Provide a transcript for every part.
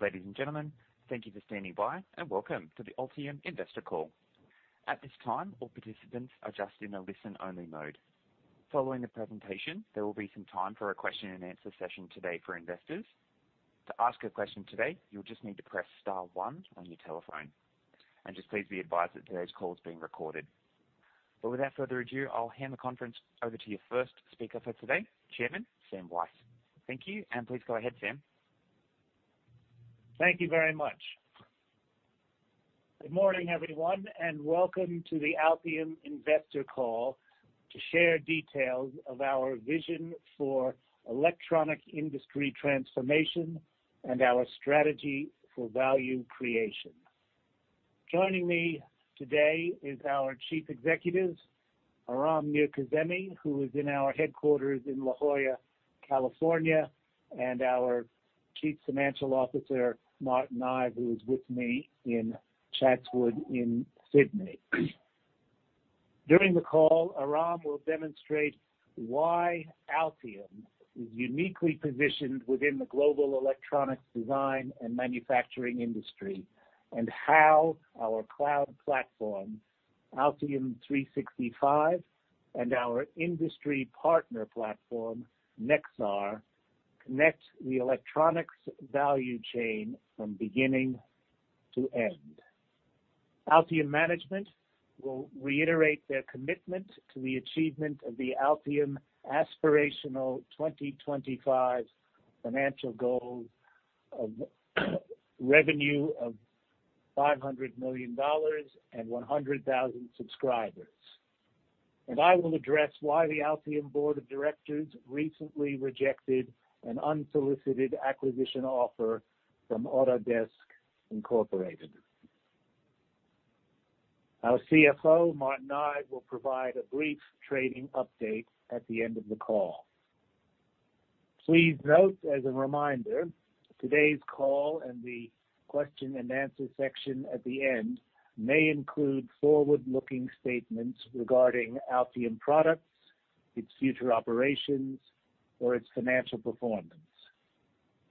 Ladies and gentlemen, thank you for standing by and welcome to the Altium investor call. At this time, all participants are just in a listen-only mode. Following the presentation, there will be some time for a question and answer session today for investors. To ask a question today, you'll just need to press star one on your telephone. Just please be advised that today's call is being recorded. Without further ado, I'll hand the conference over to your first speaker for today, Chairman Sam Weiss. Thank you, and please go ahead, Sam. Thank you very much. Welcome, everyone, and welcome to the Altium investor call to share details of our vision for electronic industry transformation and our strategy for value creation. Joining me today is our Chief Executive, Aram Mirkazemi, who is in our headquarters in La Jolla, California. Our Chief Financial Officer, Martin Ive, who is with me in Chatswood in Sydney. During the call, Aram will demonstrate why Altium is uniquely positioned within the global electronics design and manufacturing industry. How our cloud platform, Altium 365, and our industry partner platform, Nexar, connects the electronics value chain from beginning to end. Altium management will reiterate their commitment to the achievement of the Altium aspirational 2025 financial goals of revenue of $500 million and 100,000 subscribers. I will address why the Altium Board of Directors recently rejected an unsolicited acquisition offer from Autodesk, Incorporation. Our CFO, Martin Ive, will provide a brief trading update at the end of the call. Please note as a reminder, today's call and the question and answer section at the end may include forward-looking statements regarding Altium products, its future operations, or its financial performance.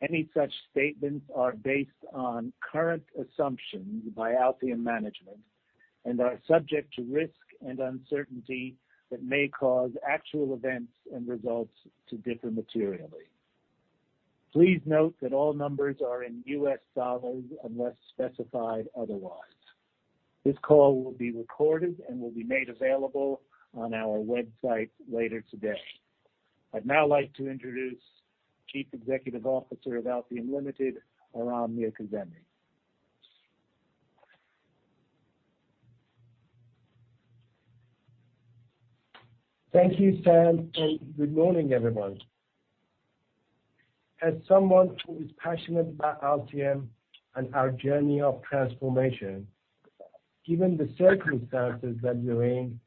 Any such statements are based on current assumptions by Altium management and are subject to risk and uncertainty that may cause actual events and results to differ materially. Please note that all numbers are in US dollars unless specified otherwise. This call will be recorded and will be made available on our website later today. I'd now like to introduce Chief Executive Officer of Altium Limited, Aram Mirkazemi. Thank you, Sam, and good morning, everyone. As someone who is passionate about Altium and our journey of transformation, given the circumstances that we're in,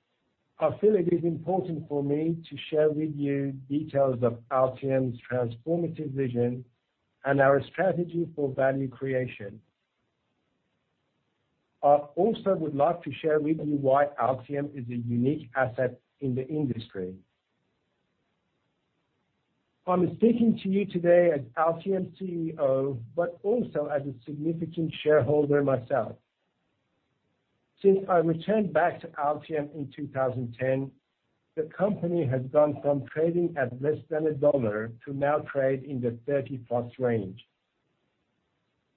I feel it is important for me to share with you details of Altium's transformative vision and our strategy for value creation. I also would like to share with you why Altium is a unique asset in the industry. I'm speaking to you today as Altium CEO, but also as a significant shareholder myself. Since I returned back to Altium in 2010, the company has gone from trading at less than $1 to now trade in the 30+ range.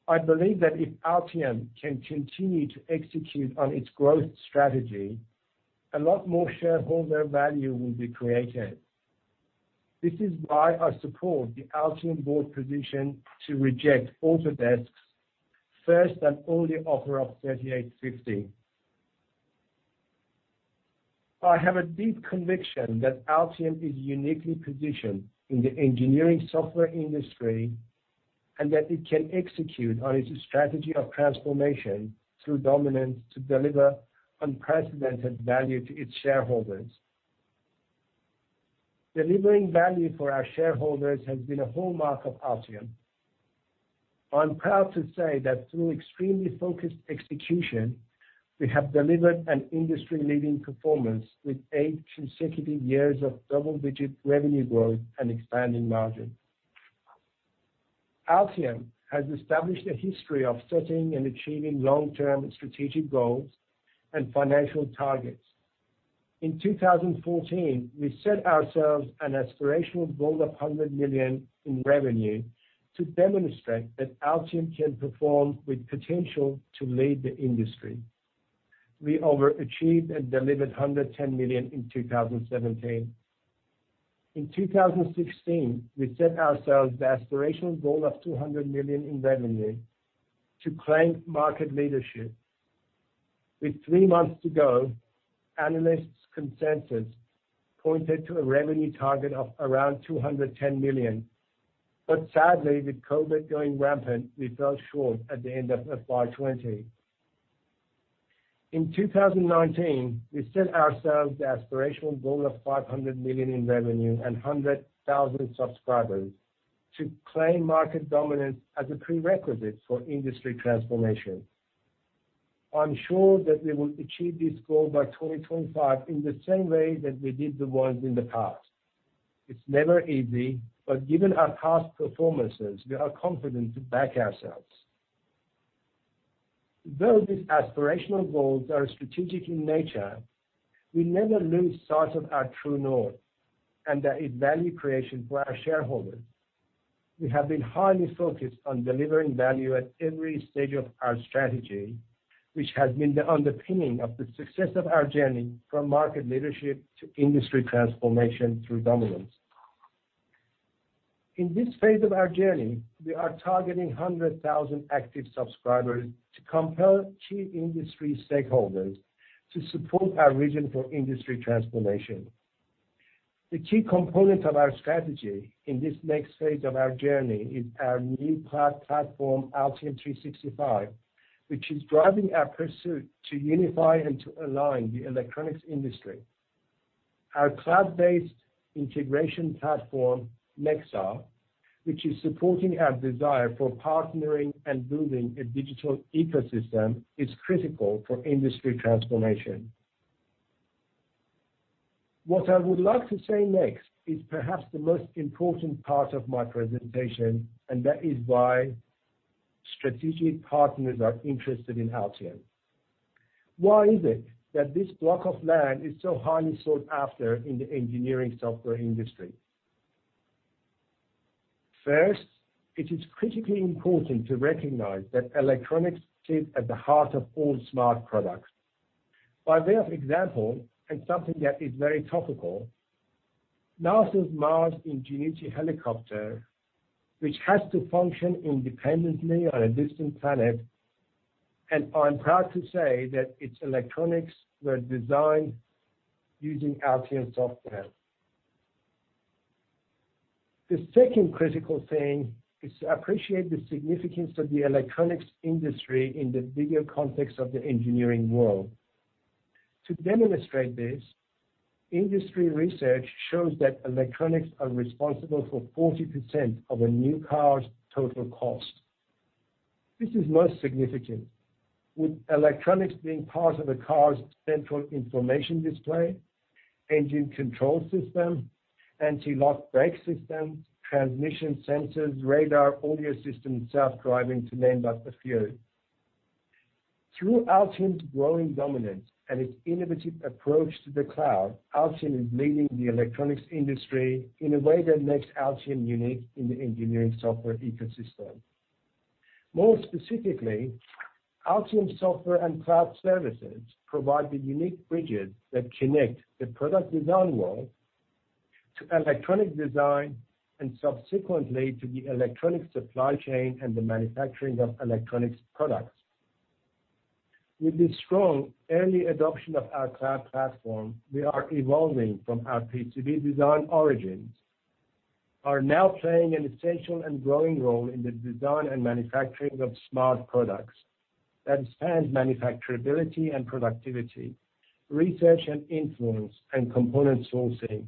I believe that if Altium can continue to execute on its growth strategy, a lot more shareholder value will be created. This is why I support the Altium board position to reject Autodesk's first and only offer of $38.50. I have a deep conviction that Altium is uniquely positioned in the engineering software industry, and that it can execute on its strategy of transformation through dominance to deliver unprecedented value to its shareholders. Delivering value for our shareholders has been a hallmark of Altium. I'm proud to say that through extremely focused execution, we have delivered an industry-leading performance with eight consecutive years of double-digit revenue growth and expanding margins. Altium has established a history of setting and achieving long-term strategic goals and financial targets. In 2014, we set ourselves an aspirational goal of $100 million in revenue to demonstrate that Altium can perform with potential to lead the industry. We overachieved and delivered $110 million in 2017. In 2016, we set ourselves the aspirational goal of $200 million in revenue to claim market leadership. With three months to go, analysts' consensus pointed to a revenue target of around $210 million. Sadly, with COVID going rampant, we fell short at the end of FY 2020. In 2019, we set ourselves the aspirational goal of $500 million in revenue and 100,000 subscribers to claim market dominance as a prerequisite for industry transformation. I'm sure that we will achieve this goal by 2025 in the same way that we did the ones in the past. It's never easy, given our past performances, we are confident to back ourselves. These aspirational goals are strategic in nature, we never lose sight of our true north, and that is value creation for our shareholders. We have been highly focused on delivering value at every stage of our strategy, which has been the underpinning of the success of our journey from market leadership to industry transformation through dominance. In this phase of our journey, we are targeting 100,000 active subscribers to compel chief industry stakeholders to support our vision for industry transformation. The key component of our strategy in this next phase of our journey is our new cloud platform, Altium 365, which is driving our pursuit to unify and to align the electronics industry. Our cloud-based integration platform, Nexar, which is supporting our desire for partnering and building a digital ecosystem, is critical for industry transformation. What I would like to say next is perhaps the most important part of my presentation, and that is why strategic partners are interested in Altium. Why is it that this block of land is so highly sought after in the engineering software industry? First, it is critically important to recognize that electronics sit at the heart of all smart products. By way of example, something that is very topical, NASA's Mars Ingenuity helicopter, which has to function independently on a distant planet, I'm proud to say that its electronics were designed using Altium software. The second critical thing is to appreciate the significance of the electronics industry in the bigger context of the engineering world. To demonstrate this, industry research shows that electronics are responsible for 40% of a new car's total cost. This is most significant, with electronics being part of a car's central information display, engine control system, anti-lock brake systems, transmission sensors, radar, audio system, and self-driving, to name but a few. Through Altium's growing dominance and its innovative approach to the cloud, Altium is leading the electronics industry in a way that makes Altium unique in the engineering software ecosystem. More specifically, Altium software and cloud services provide the unique bridges that connect the product design world to electronic design and subsequently to the electronic supply chain and the manufacturing of electronics products. With the strong early adoption of our cloud platform, we are evolving from our PCB design origins, are now playing an essential and growing role in the design and manufacturing of smart products that spans manufacturability and productivity, research and influence, and component sourcing.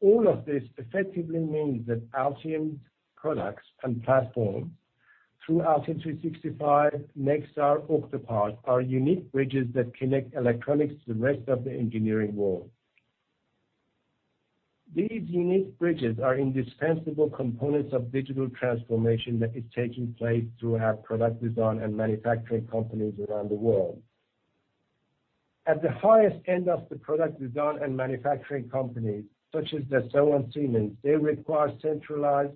All of this effectively means that Altium's products and platform through Altium 365, Nexar, Octopart, are unique bridges that connect electronics to the rest of the engineering world. These unique bridges are indispensable components of digital transformation that is taking place through our product design and manufacturing companies around the world. At the highest end of the product design and manufacturing companies, such as Dassault and Siemens, they require centralized,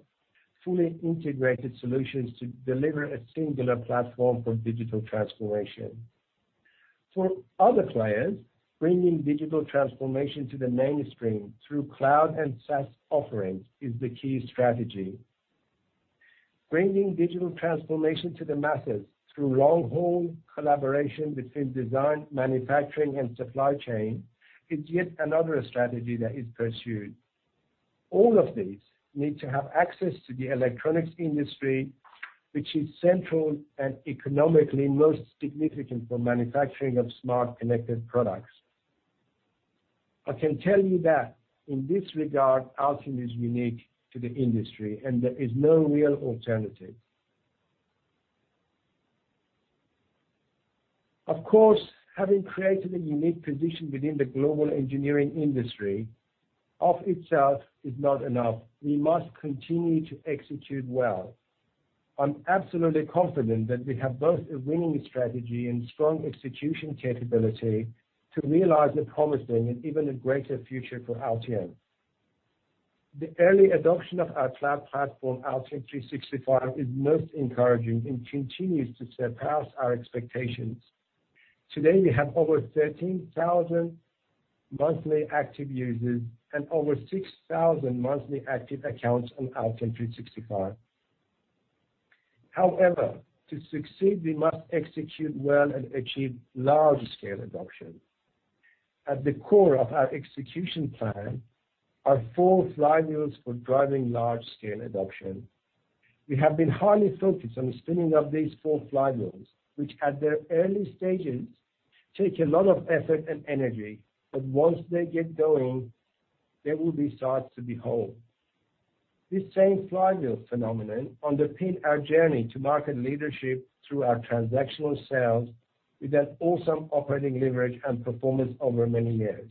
fully integrated solutions to deliver a singular platform for digital transformation. For other clients, bringing digital transformation to the mainstream through cloud and SaaS offerings is the key strategy. Bringing digital transformation to the masses through long-haul collaboration between design, manufacturing, and supply chain is yet another strategy that is pursued. All of these need to have access to the electronics industry, which is central and economically most significant for manufacturing of smart connected products. I can tell you that in this regard, Altium is unique to the industry, and there is no real alternative. Of course, having created a unique position within the global engineering industry of itself is not enough. We must continue to execute well. I'm absolutely confident that we have both a winning strategy and strong execution capability to realize the promising and even a greater future for Altium. The early adoption of our cloud platform, Altium 365, is most encouraging and continues to surpass our expectations. Today, we have over 13,000 monthly active users and over 6,000 monthly active accounts on Altium 365. However, to succeed, we must execute well and achieve large-scale adoption. At the core of our execution plan are four flywheels for driving large-scale adoption. We have been highly focused on spinning up these four flywheels, which at their early stages take a lot of effort and energy, but once they get going, they will be sights to behold. This same flywheel phenomenon underpins our journey to market leadership through our transactional sales with an awesome operating leverage and performance over many years.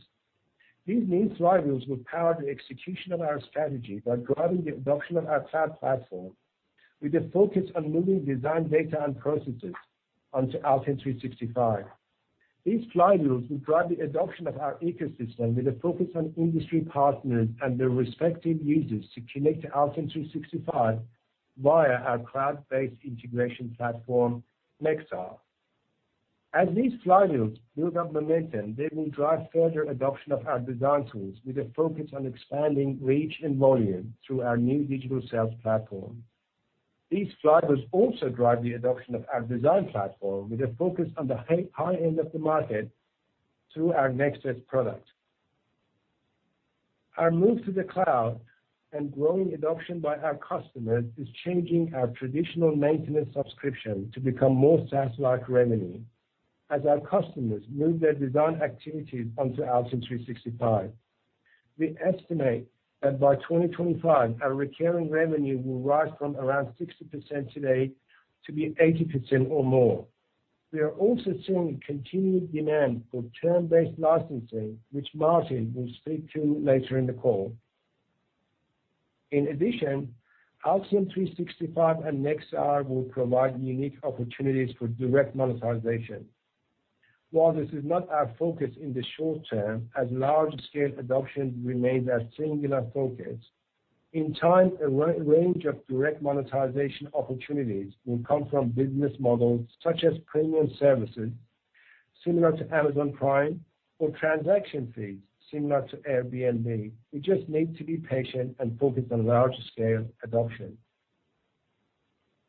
These new flywheels will power the execution of our strategy by driving the adoption of our cloud platform with a focus on moving design data and processes onto Altium 365. These flywheels will drive the adoption of our ecosystem with a focus on industry partners and their respective users to connect to Altium 365 via our cloud-based integration platform, Nexar. As these flywheels build up momentum, they will drive further adoption of our design tools with a focus on expanding reach and volume through our new digital sales platform. These flywheels also drive the adoption of our design platform with a focus on the high end of the market through our NEXUS product. Our move to the cloud and growing adoption by our customers is changing our traditional maintenance subscription to become more SaaS-like revenue as our customers move their design activities onto Altium 365. We estimate that by 2025, our recurring revenue will rise from around 60% today to be 80% or more. We are also seeing continued demand for term-based licensing, which Martin will speak to later in the call. Altium 365 and Nexar will provide unique opportunities for direct monetization. While this is not our focus in the short term, as large-scale adoption remains our singular focus, in time, a range of direct monetization opportunities will come from business models such as premium services similar to Amazon Prime or transaction fees similar to Airbnb. We just need to be patient and focus on larger scale adoption.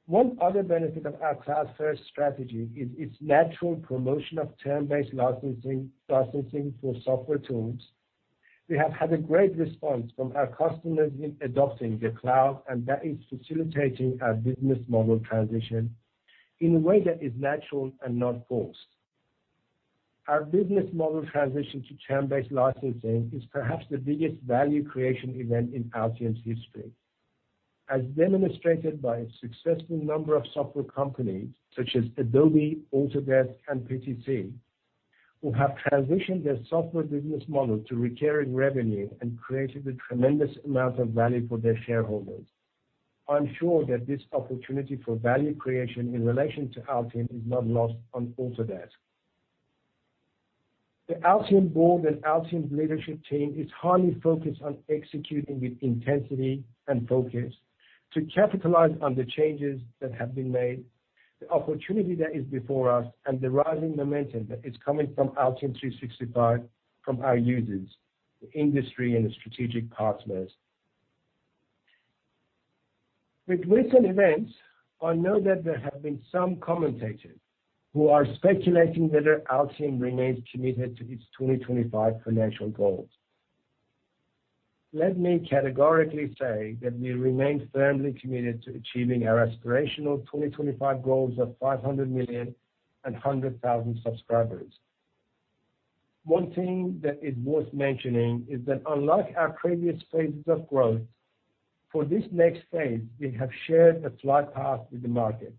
One other benefit of our cloud-first strategy is its natural promotion of term-based licensing for software tools. We have had a great response from our customers in adopting the cloud, and that is facilitating our business model transition in a way that is natural and not forced. Our business model transition to term-based licensing is perhaps the biggest value creation event in Altium's history. As demonstrated by a successful number of software companies such as Adobe, Autodesk, and PTC, who have transitioned their software business model to recurring revenue and created a tremendous amount of value for their shareholders. I'm sure that this opportunity for value creation in relation to Altium is not lost on Autodesk. The Altium board and Altium's leadership team is highly focused on executing with intensity and focus to capitalize on the changes that have been made, the opportunity that is before us, and the rising momentum that is coming from Altium 365 from our users, the industry, and strategic partners. With recent events, I know that there have been some commentators who are speculating whether Altium remains committed to its 2025 financial goals. Let me categorically say that we remain firmly committed to achieving our aspirational 2025 goals of $500 million and 100,000 subscribers. One thing that is worth mentioning is that unlike our previous phases of growth, for this next phase, we have shared the flight path with the market.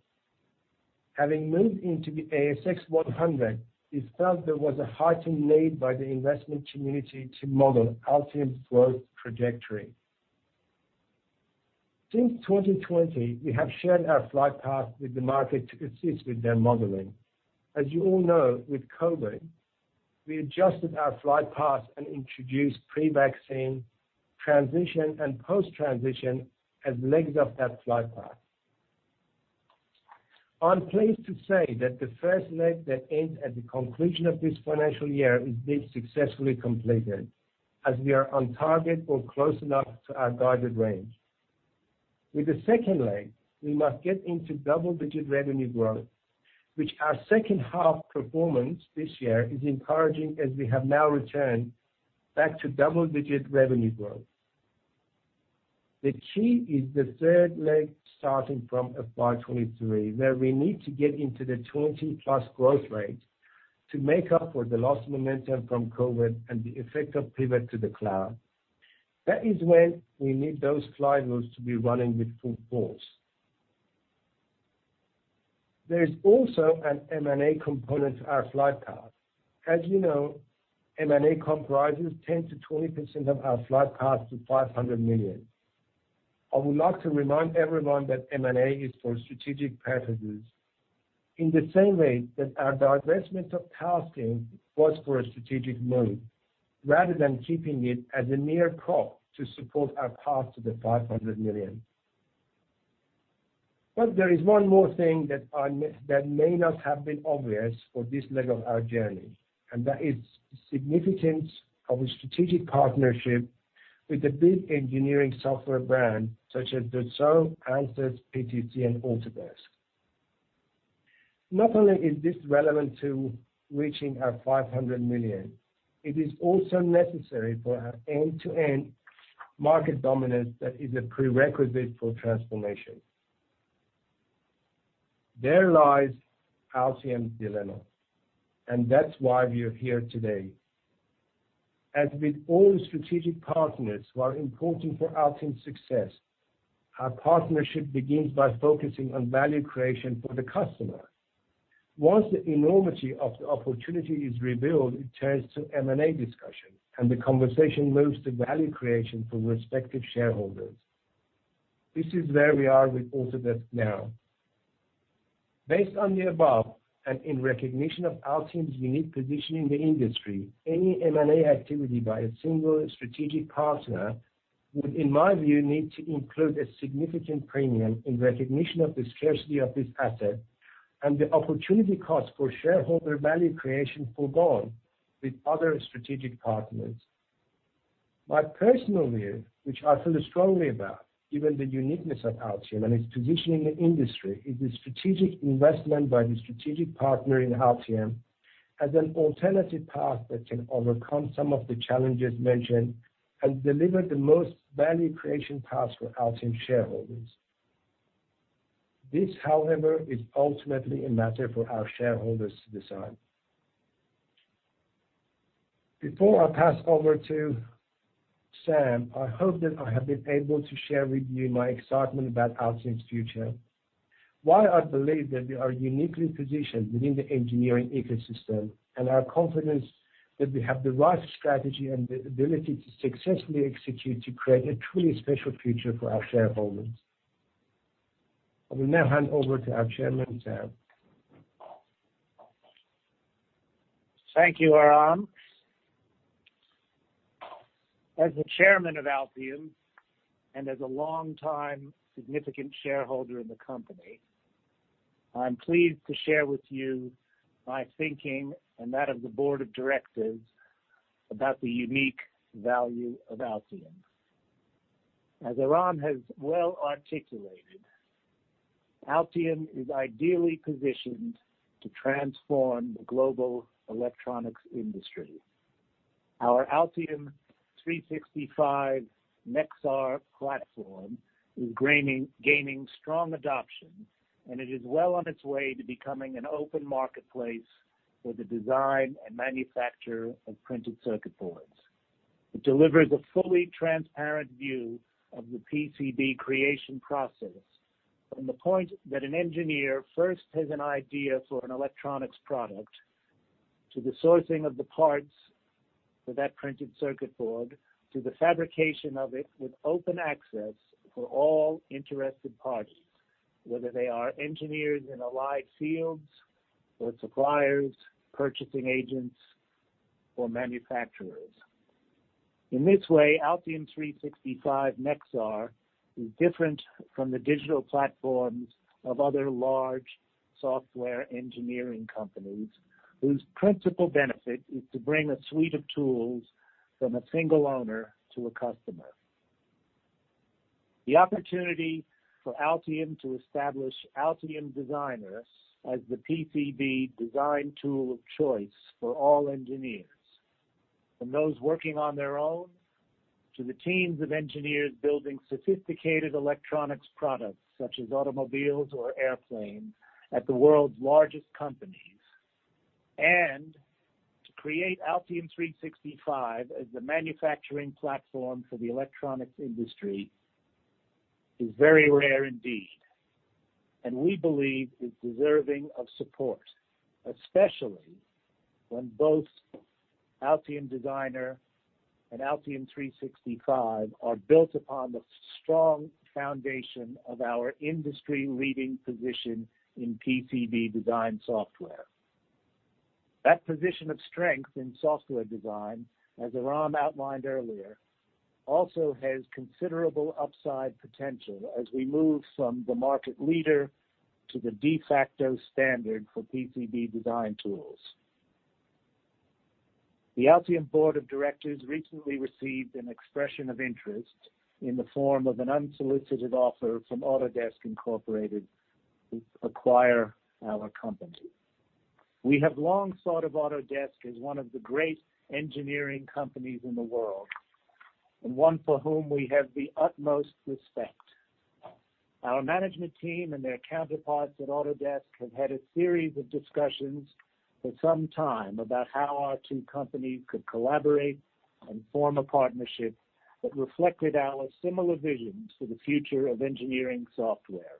Having moved into the ASX 100, we felt there was a heightened need by the investment community to model Altium's growth trajectory. Since 2020, we have shared our flight path with the market to assist with their modeling. As you all know, with COVID, we adjusted our flight path and introduced pre-vaccine, transition, and post-transition as legs of that flight path. I'm pleased to say that the first leg that ends at the conclusion of this financial year has been successfully completed, as we are on target or close enough to our guided range. With the second leg, we must get into double-digit revenue growth, which our second half performance this year is encouraging as we have now returned back to double-digit revenue growth. The key is the third leg starting from FY 2023, where we need to get into the 20-plus growth rate to make up for the lost momentum from COVID and the effect of pivot to the cloud. That is when we need those flywheels to be running with full force. There is also an M&A component to our flight path. As you know, M&A comprises 10%-20% of our flight path to $500 million. I would like to remind everyone that M&A is for strategic purposes in the same way that our divestment of TASKING was for a strategic move rather than keeping it as a mere cost to support our path to the 500 million. There is one more thing that may not have been obvious for this leg of our journey, and that is the significance of a strategic partnership with a big engineering software brand such as Dassault, ANSYS, PTC, and Autodesk. Not only is this relevant to reaching our 500 million, it is also necessary for our end-to-end market dominance that is a prerequisite for transformation. There lies Altium's dilemma, and that's why we are here today. As with all strategic partners who are important for Altium's success, our partnership begins by focusing on value creation for the customer. Once the enormity of the opportunity is revealed, it turns to M&A discussion, and the conversation moves to value creation for respective shareholders. This is where we are with Autodesk now. Based on the above, and in recognition of Altium's unique position in the industry, any M&A activity by a single strategic partner would, in my view, need to include a significant premium in recognition of the scarcity of this asset and the opportunity cost for shareholder value creation for both with other strategic partners. My personal view, which I feel strongly about, given the uniqueness of Altium and its position in the industry, is a strategic investment by the strategic partner in Altium as an alternative path that can overcome some of the challenges mentioned and deliver the most value creation path for Altium shareholders. This, however, is ultimately a matter for our shareholders to decide. Before I pass over to Sam, I hope that I have been able to share with you my excitement about Altium's future, why I believe that we are uniquely positioned within the engineering ecosystem, and our confidence that we have the right strategy and the ability to successfully execute to create a truly special future for our shareholders. I will now hand over to our chairman, Sam. Thank you, Aram. As the chairman of Altium, and as a longtime significant shareholder in the company, I'm pleased to share with you my thinking and that of the board of directors about the unique value of Altium. As Aram has well articulated, Altium is ideally positioned to transform the global electronics industry. Our Altium 365 Nexar platform is gaining strong adoption, and it is well on its way to becoming an open marketplace for the design and manufacture of printed circuit boards. It delivers a fully transparent view of the PCB creation process from the point that an engineer first has an idea for an electronics product, to the sourcing of the parts for that printed circuit board, to the fabrication of it with open access for all interested parties, whether they are engineers in allied fields or suppliers, purchasing agents, or manufacturers. In this way, Altium 365 Nexar is different from the digital platforms of other large software engineering companies, whose principal benefit is to bring a suite of tools from a single owner to a customer. The opportunity for Altium to establish Altium Designer as the PCB design tool of choice for all engineers, from those working on their own to the teams of engineers building sophisticated electronics products such as automobiles or airplanes at the world's largest companies, and to create Altium 365 as the manufacturing platform for the electronics industry, is very rare indeed, and we believe is deserving of support, especially when both Altium Designer and Altium 365 are built upon the strong foundation of our industry-leading position in PCB design software. That position of strength in software design, as Aram outlined earlier, also has considerable upside potential as we move from the market leader to the de facto standard for PCB design tools. The Altium board of directors recently received an expression of interest in the form of an unsolicited offer from Autodesk, Inc. to acquire our company. We have long thought of Autodesk as one of the great engineering companies in the world, and one for whom we have the utmost respect. Our management team and their counterparts at Autodesk have had a series of discussions for some time about how our two companies could collaborate and form a partnership that reflected our similar visions for the future of engineering software.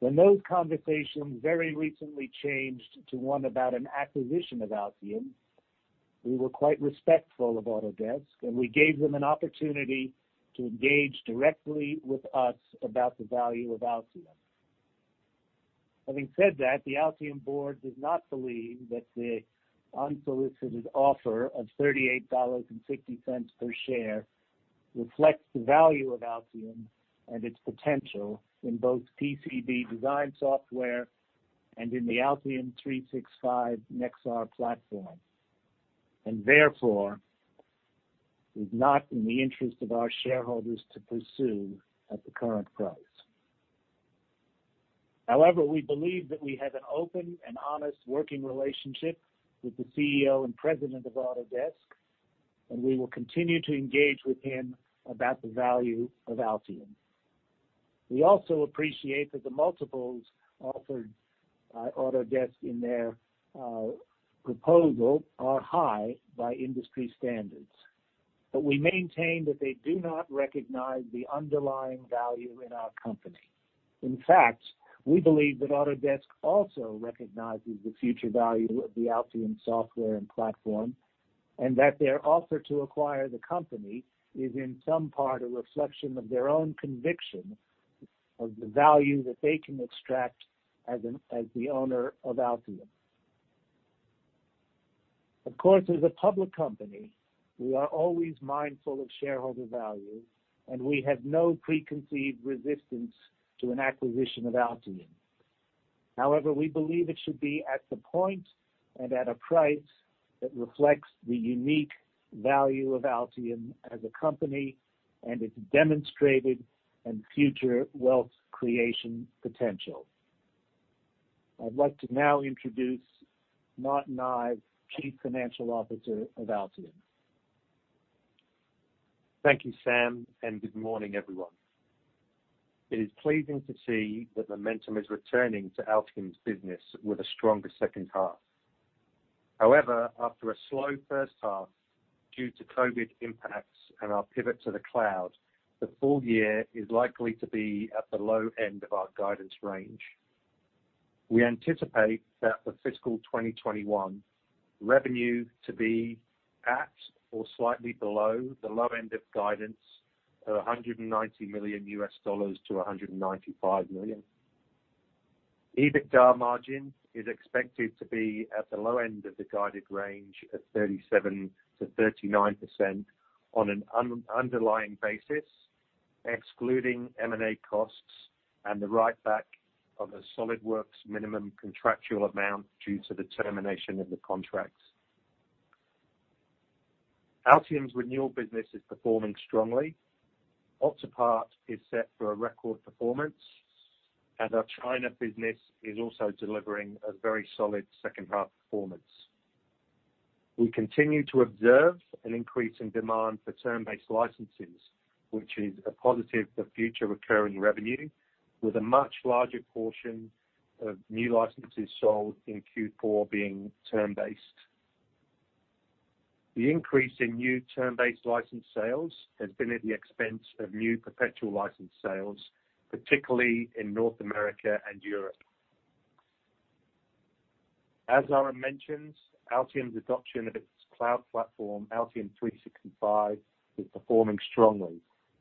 When those conversations very recently changed to one about an acquisition of Altium, we were quite respectful of Autodesk, and we gave them an opportunity to engage directly with us about the value of Altium. Having said that, the Altium board does not believe that the unsolicited offer of $38.60 per share reflects the value of Altium and its potential in both PCB design software and in the Altium 365 Nexar platform, and therefore is not in the interest of our shareholders to pursue at the current price. However, we believe that we have an open and honest working relationship with the CEO and President of Autodesk. We will continue to engage with him about the value of Altium. We also appreciate that the multiples offered by Autodesk in their proposal are high by industry standards, but we maintain that they do not recognize the underlying value in our company. In fact, we believe that Autodesk also recognizes the future value of the Altium software and platform, and that their offer to acquire the company is in some part a reflection of their own conviction of the value that they can extract as the owner of Altium. Of course, as a public company, we are always mindful of shareholder value, and we have no preconceived resistance to an acquisition of Altium. However, we believe it should be at the point and at a price that reflects the unique value of Altium as a company and its demonstrated and future wealth creation potential. I'd like to now introduce Martin Ive, Chief Financial Officer of Altium. Thank you, Sam, and good morning, everyone. It is pleasing to see that momentum is returning to Altium's business with a stronger second half. After a slow first half due to COVID impacts and our pivot to the cloud, the full year is likely to be at the low end of our guidance range. We anticipate that for fiscal 2021 revenue to be at or slightly below the low end of guidance of $190 million-$195 million. EBITDA margin is expected to be at the low end of the guided range of 37%-39% on an underlying basis, excluding M&A costs and the write-back of a SOLIDWORKS minimum contractual amount due to the termination of the contract. Altium's renewal business is performing strongly. Octopart is set for a record performance, and our China business is also delivering a very solid second-half performance. We continue to observe an increase in demand for term-based licenses, which is a positive for future recurring revenue, with a much larger portion of new licenses sold in Q4 being term-based. The increase in new term-based license sales has been at the expense of new perpetual license sales, particularly in North America and Europe. As Aram mentioned, Altium's adoption of its cloud platform, Altium 365, is performing strongly,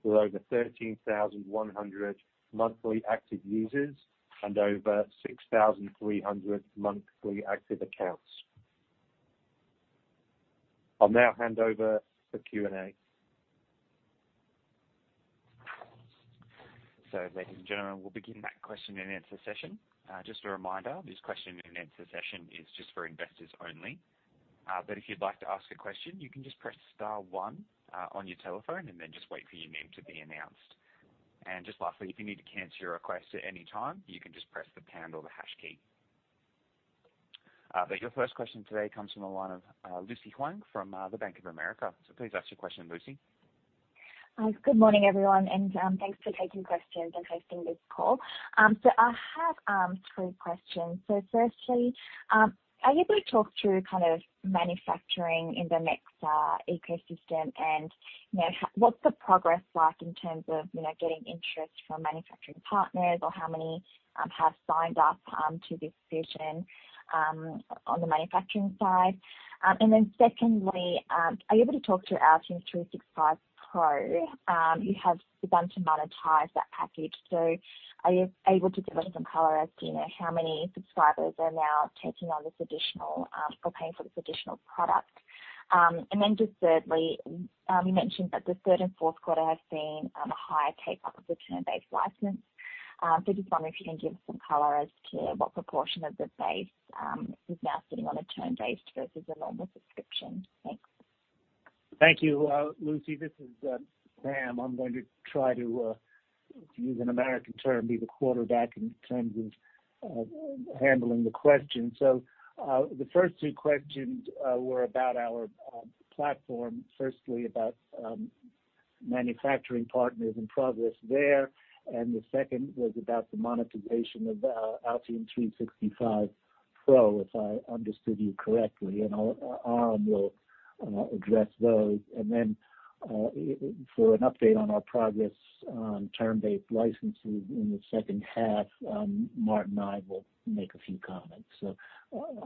with over 13,100 monthly active users and over 6,300 monthly active accounts. I'll now hand over for Q&A. Ladies and gentlemen, we'll begin that question and answer session. Just a reminder, this question and answer session is just for investors only. If you'd like to ask a question, you can just press star one on your telephone and then just wait for your name to be announced. Just lastly, if you need to cancel your request at any time, you can just press the pound or the hash key. Your first question today comes from the line of Lucy Huang from the Bank of America. Please ask your question, Lucy. Good morning, everyone, and thanks for taking questions and hosting this call. I have two questions. Firstly, are you able to talk through kind of manufacturing in the Nexar ecosystem and what's the progress like in terms of getting interest from manufacturing partners or how many have signed up to this solution on the manufacturing side? Secondly, are you able to talk to Altium 365 Pro? You have begun to monetize that package. Are you able to give us some color as to how many subscribers are now taking on this additional or paying for this additional product? Thirdly, you mentioned that the third and fourth quarter have seen a higher take-up of the term-based license. Just wondering if you can give some color as to what proportion of the base is now sitting on a term-based versus a normal subscription. Thanks. Thank you, Lucy. This is Sam. I’m going to try to use an American term, be the quarterback in terms of handling the question. The first two questions were about our platform, firstly about manufacturing partners and progress there, and the second was about the monetization of Altium 365 Pro, if I understood you correctly. Aram will address those. For an update on our progress on term-based licensing in the second half, Martin Ive will make a few comments.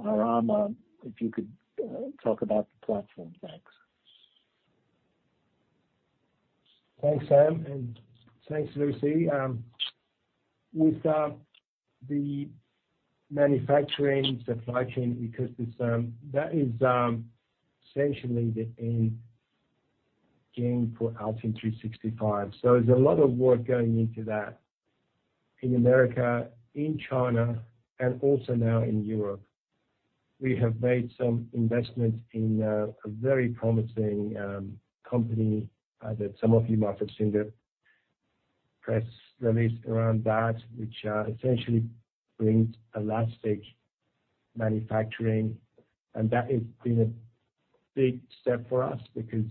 Aram, if you could talk about the platform. Thanks. Thanks, Sam, and thanks, Lucy. With the manufacturing supply chain ecosystem, that is essentially the end game for Altium 365. There's a lot of work going into that in America, in China, and also now in Europe. We have made some investment in a very promising company that some of you might have seen. Press release around that, which essentially brings elastic manufacturing. That has been a big step for us because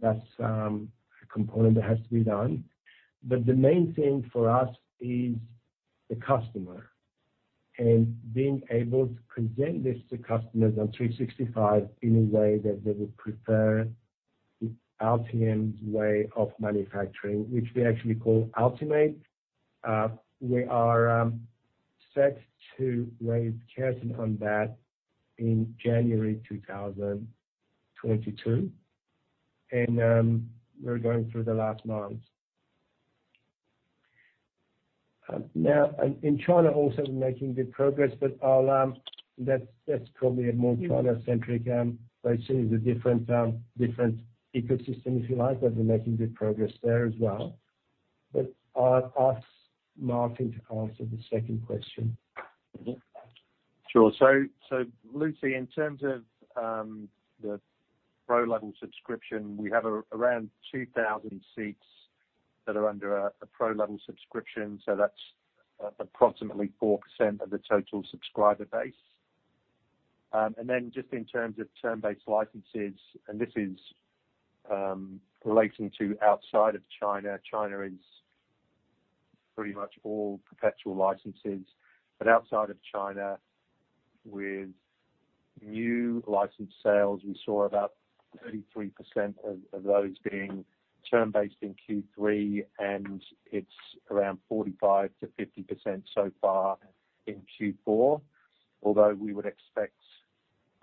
that's a component that has to be done. The main thing for us is the customer, and being able to present this to customers on 365 in a way that they would prefer it's Altium's way of manufacturing, which we actually call Altimade. We are set to raise curtain on that in January 2022, and we're going through the last miles. Now, in China also, we're making good progress, but that's probably a more China-centric answer. It's a different ecosystem, if you like, but we're making good progress there as well. I'll ask Martin to answer the second question. Sure. Lucy, in terms of the pro-level subscription, we have around 2,000 seats that are under a pro-level subscription, that's approximately 4% of the total subscriber base. Just in terms of term-based licenses, this is relating to outside of China. China is pretty much all perpetual licenses. Outside of China, with new license sales, we saw about 33% of those being term-based in Q3, it's around 45%-50% so far in Q4. Although we would expect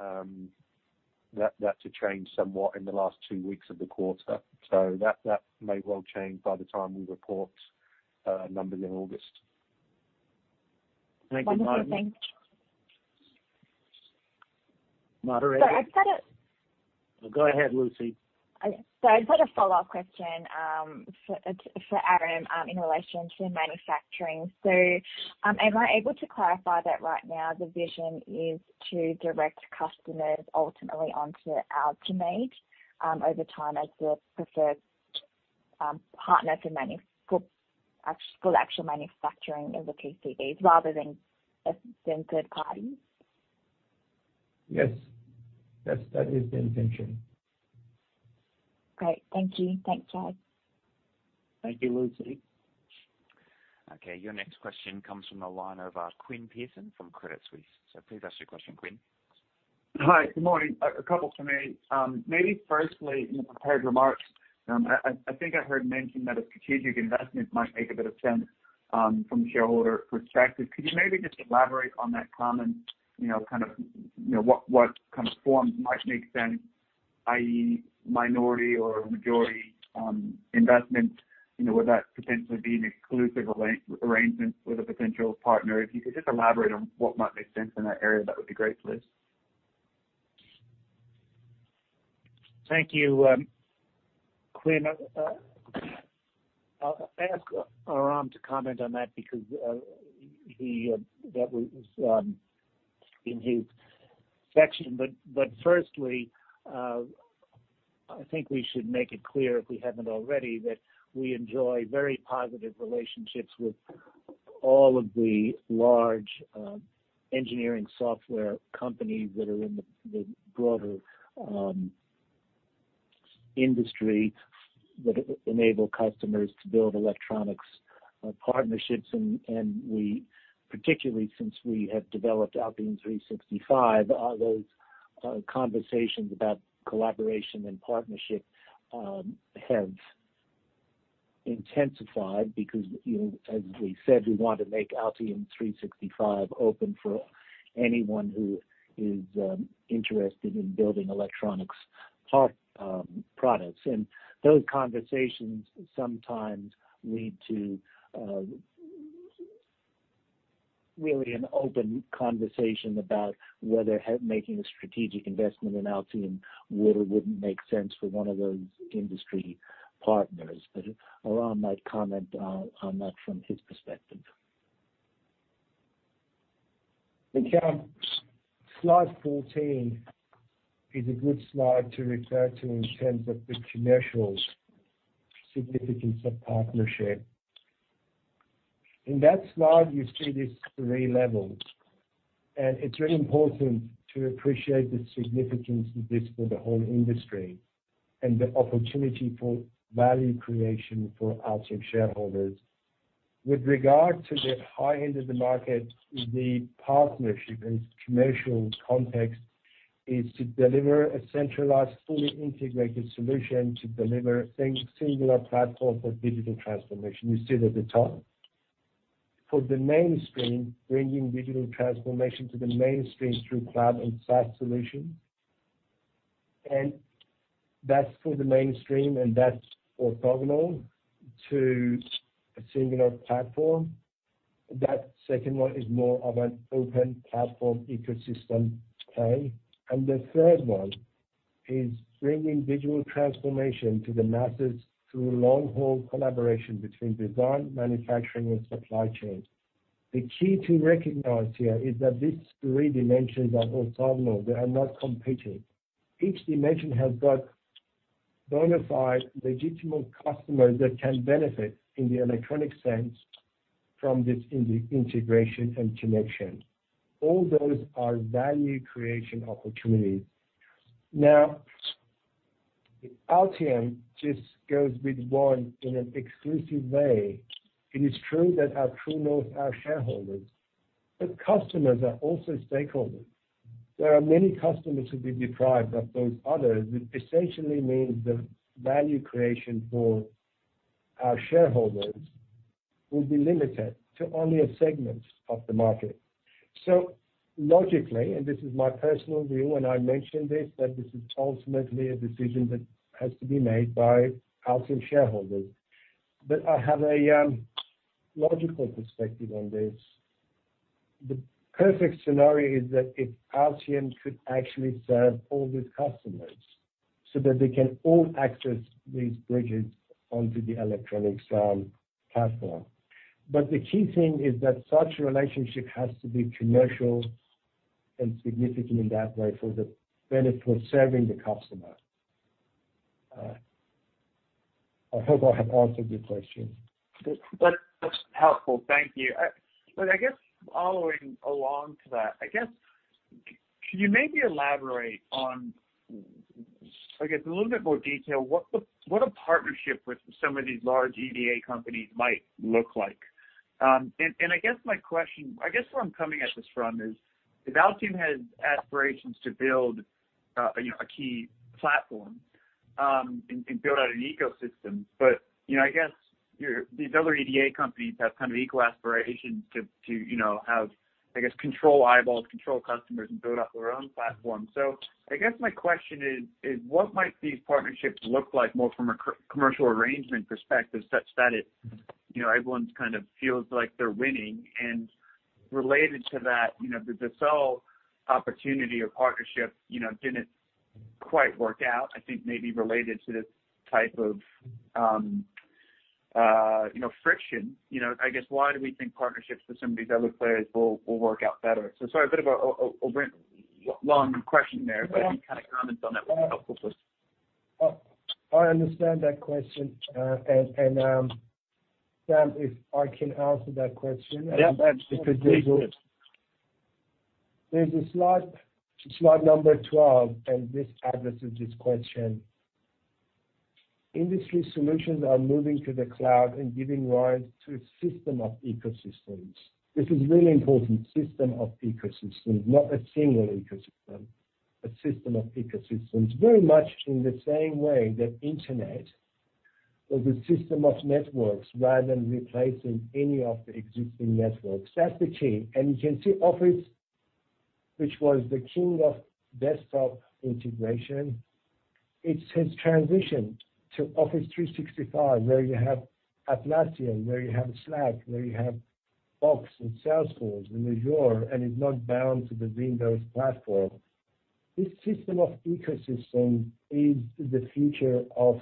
that to change somewhat in the last two weeks of the quarter. That may well change by the time we report numbers in August. Thank you, Martin. So I just had a- Go ahead, Lucy. I just had a follow-up question for Aram in relation to manufacturing. Am I able to clarify that right now the vision is to direct customers ultimately onto Altimade over time as the preferred partner for actual manufacturing and the PCBs rather than third parties? Yes. That is the intention. Great. Thank you. Thanks, guys. Thank you, Lucy. Okay. Your next question comes from the line of Quinn Pierson from Credit Suisse. Please ask your question, Quinn. Hi, good morning. A couple for me. Maybe firstly, in the prepared remarks, I think I heard mentioned that a strategic investment might make a bit of sense from a shareholder perspective. Could you maybe just elaborate on that comment, what kind of forms might make sense, i.e. minority or majority investment? Would that potentially be an exclusive arrangement with a potential partner? If you could just elaborate on what might make sense in that area, that would be great, please. Thank you, Quinn. I'll ask Aram to comment on that because that was in his section. Firstly, I think we should make it clear, if we haven't already, that we enjoy very positive relationships with all of the large engineering software companies that are in the broader industry that enable customers to build electronics partnerships. Particularly since we have developed Altium 365, those conversations about collaboration and partnership have intensified because, as we said, we want to make Altium 365 open for anyone who is interested in building electronics products. Those conversations sometimes lead to really an open conversation about whether making a strategic investment in Altium would or wouldn't make sense for one of those industry partners. Aram might comment on that from his perspective. Okay. Slide 14 is a good slide to refer to in terms of the commercial significance of partnership. In that slide, you see these three levels, and it's really important to appreciate the significance of this for the whole industry and the opportunity for value creation for Altium shareholders. With regard to the high end of the market, the partnership and its commercial context is to deliver a centralized, fully integrated solution to deliver a singular platform for digital transformation. You see it at the top. For the mainstream, bringing digital transformation to the mainstream through cloud and SaaS solutions. That's for the mainstream, and that's orthogonal to a singular platform. That second one is more of an open platform ecosystem play. The third one is bringing digital transformation to the masses through long-haul collaboration between design, manufacturing, and supply chain. The key to recognize here is that these three dimensions are orthogonal. They are not competing. Each dimension has got bona fide legitimate customers that can benefit in the electronic sense from this integration and connection. All those are value creation opportunities. If Altium just goes with one in an exclusive way, it is true that our true north are shareholders, but customers are also stakeholders. There are many customers who'll be deprived of those others. It essentially means the value creation for our shareholders will be limited to only a segment of the market. Logically, and this is my personal view, and I mentioned this, that this is ultimately a decision that has to be made by Altium shareholders, but I have a logical perspective on this. The perfect scenario is that if Altium could actually serve all the customers so that they can all access these bridges onto the electronics platform. The key thing is that such a relationship has to be commercial and significant in that way for the benefit of serving the customer. I hope I have answered your question. That's helpful. Thank you. I guess following along to that, can you maybe elaborate on, I guess, a little bit more detail what a partnership with some of these large EDA companies might look like? I guess my question, what I'm coming at this from is, if Altium has aspirations to build a key platform and build out an ecosystem, but these other EDA companies have equal aspirations to have, I guess, control eyeballs, control customers, and build out their own platform. I guess my question is what might these partnerships look like more from a commercial arrangement perspective, such that everyone feels like they're winning? Related to that, the Dassault opportunity or partnership didn't quite work out, I think maybe related to this type of friction. I guess why do we think partnerships with some of these other players will work out better? Sorry for the long question there, but any comments on that would be helpful. I understand that question. Sam, if I can answer that question. Yeah. Please do. There's a slide number 12, and this addresses this question. Industry solutions are moving to the cloud and giving rise to a system of ecosystems. This is really important. System of ecosystems, not a singular ecosystem, a system of ecosystems. Very much in the same way the internet was a system of networks rather than replacing any of the existing networks. That's the key. You can see Office, which was the king of desktop integration, it has transitioned to Office 365, where you have Atlassian, where you have Slack, where you have Box and Salesforce and Azure, and it's not bound to the Windows platform. This system of ecosystems is the future of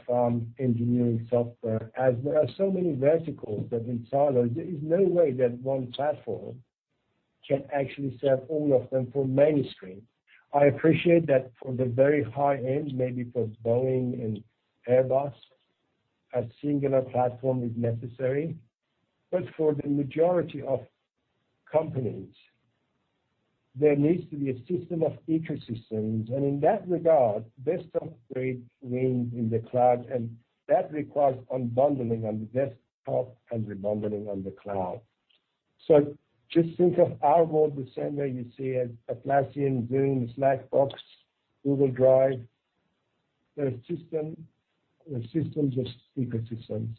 engineering software, as there are so many verticals that we saw there is no way that one platform can actually serve all of them for mainstream. I appreciate that for the very high end, maybe for Boeing and Airbus, a singular platform is necessary. For the majority of companies, there needs to be a system of ecosystems. In that regard, desktop will remain in the cloud, and that requires unbundling on the desktop and rebundling on the cloud. Just think of our world the same way you see Atlassian doing Slack, Box, Google Drive. Systems of ecosystems.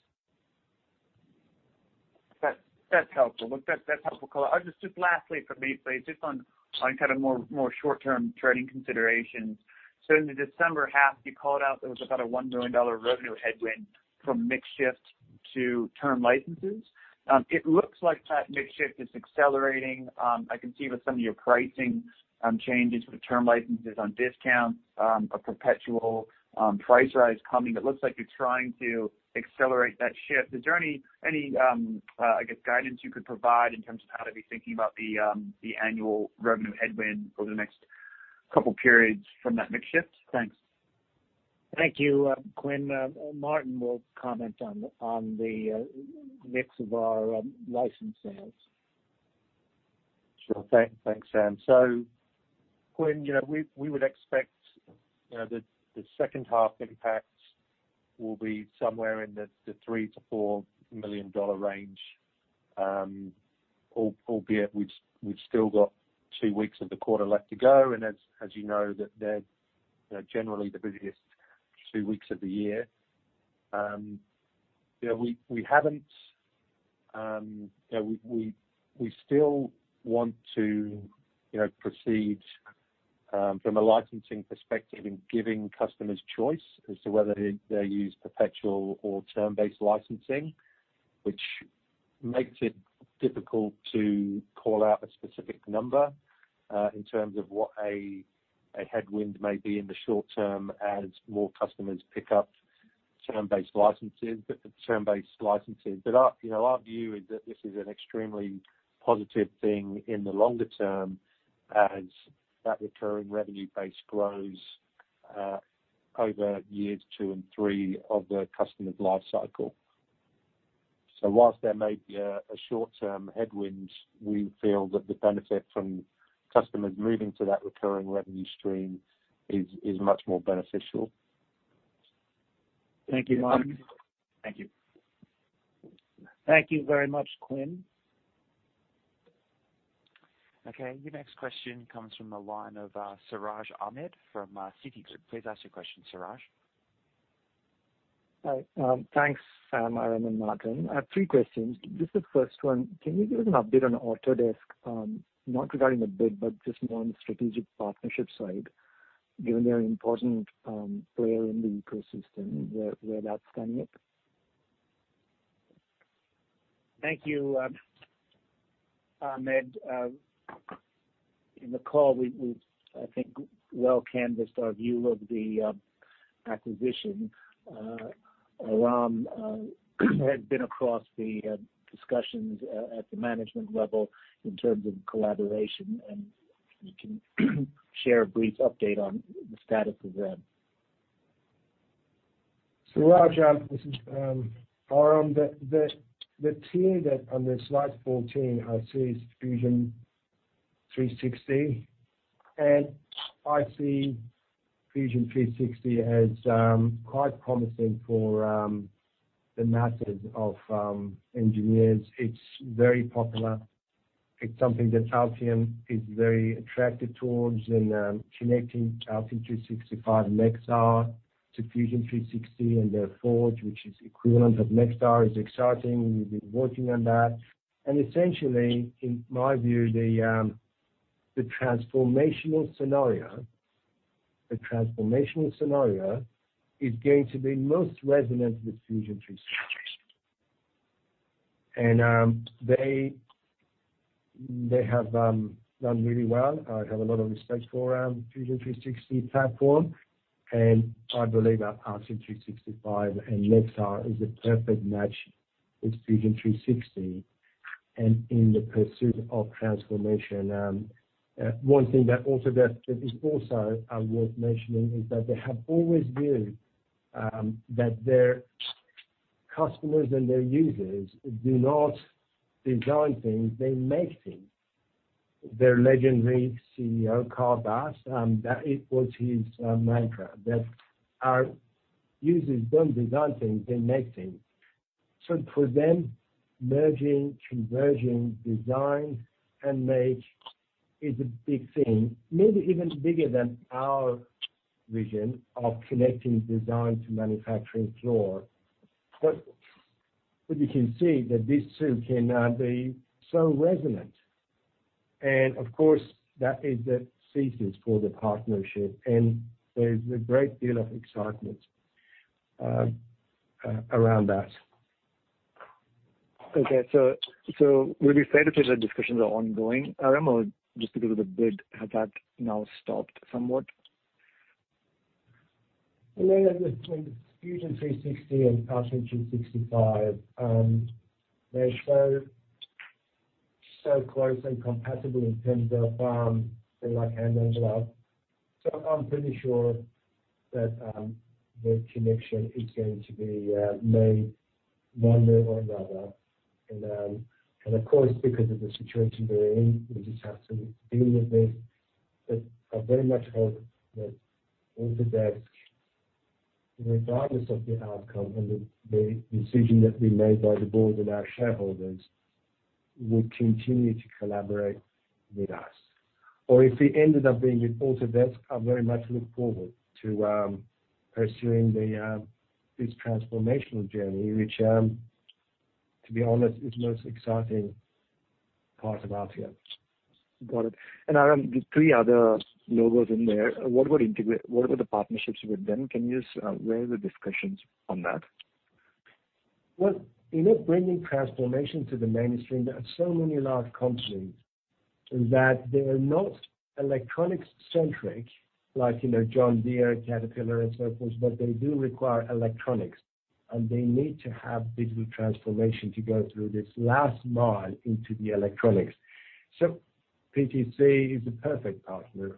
That's helpful. I guess just lastly from me, just on more short-term trading considerations. In the December half, you called out there was about a 1 million dollar revenue headwind from mix shift to term licenses. It looks like that mix shift is accelerating. I can see with some of your pricing changes with term licenses on discounts, a perpetual price rise coming. It looks like you're trying to accelerate that shift. Is there any, I guess, guidance you could provide in terms of how to be thinking about the annual revenue headwind for the next couple periods from that mix shift? Thanks. Thank you, Quinn. Martin will comment on the mix of our license sales. Sure. Thanks, Sam. Quinn, we would expect the second half impact will be somewhere in the $3 million-$4 million range, albeit we've still got two weeks of the quarter left to go, and as you know, they're generally the busiest two weeks of the year. We still want to proceed from a licensing perspective in giving customers choice as to whether they use perpetual or term-based licensing, which makes it difficult to call out a specific number, in terms of what a headwind may be in the short term as more customers pick up term-based licenses. Our view is that this is an extremely positive thing in the longer term as that recurring revenue base grows over years two and three of the customer's life cycle. While there may be a short-term headwind, we feel that the benefit from customers moving to that recurring revenue stream is much more beneficial. Thank you, Martin. Thank you. Thank you very much, Quinn. Okay, your next question comes from the line of Siraj Ahmed from Citi. Please ask your question, Siraj. Hi. Thanks, Aram and Martin. I have three questions. Just the first one, can you give us an update on Autodesk? Not regarding the bid, but just more on strategic partnership side, given they're an important player in the ecosystem, where that's standing? Thank you, Ahmed. In the call, we, I think, well canvassed our view of the acquisition. Aram has been across the discussions at the management level in terms of collaboration, and he can share a brief update on the status of that. Siraj, this is Aram. On the slide 14, I see Fusion 360. I see Fusion 360 as quite promising for the masses of engineers. It's very popular. It's something that Altium is very attracted towards and connecting Altium 365 Nexar to Fusion 360 and their Forge, which is equivalent of Nexar, is exciting. We've been working on that. Essentially, in my view, the transformational scenario is going to be most resonant with Fusion 360. They have done really well. I have a lot of respect for Fusion 360 platform. I believe our Altium 365 and Nexar is a perfect match with Fusion 360 in the pursuit of transformation. One thing that is also worth mentioning is that they have always viewed that their customers and their users do not design things, they make things. Their legendary CEO, Carl Bass, that it was his mantra that our users don't design things, they make things. For them, merging conversion design and make is a big thing. Maybe even bigger than our vision of connecting design to manufacturing floor. You can see that these two can now be so resonant. Of course, that is the thesis for the partnership, and there's a great deal of excitement around that. Okay. With respect to the discussions are ongoing. Aram, just because of the bid, has that now stopped somewhat? Between Autodesk Fusion and Altium 365, they're so close and compatible in terms of they're like hand in glove. I'm pretty sure that the connection is going to be made one way or another. Of course, because of the situation we're in, we just have to deal with it. I very much hope that Autodesk, regardless of the outcome and the decision that'll be made by the board and our shareholders, will continue to collaborate with us. If it ended up being with Autodesk, I very much look forward to pursuing this transformational journey, which, to be honest, is most exciting part of Altium. Got it. Aram, the three other logos in there, what about the partnerships with them? Can you just weigh the discussions on that? Well, in bringing transformation to the mainstream, there are so many large companies that they're not electronics centric like John Deere, Caterpillar, and so forth, but they do require electronics, and they need to have digital transformation to go through this last mile into the electronics. PTC is a perfect partner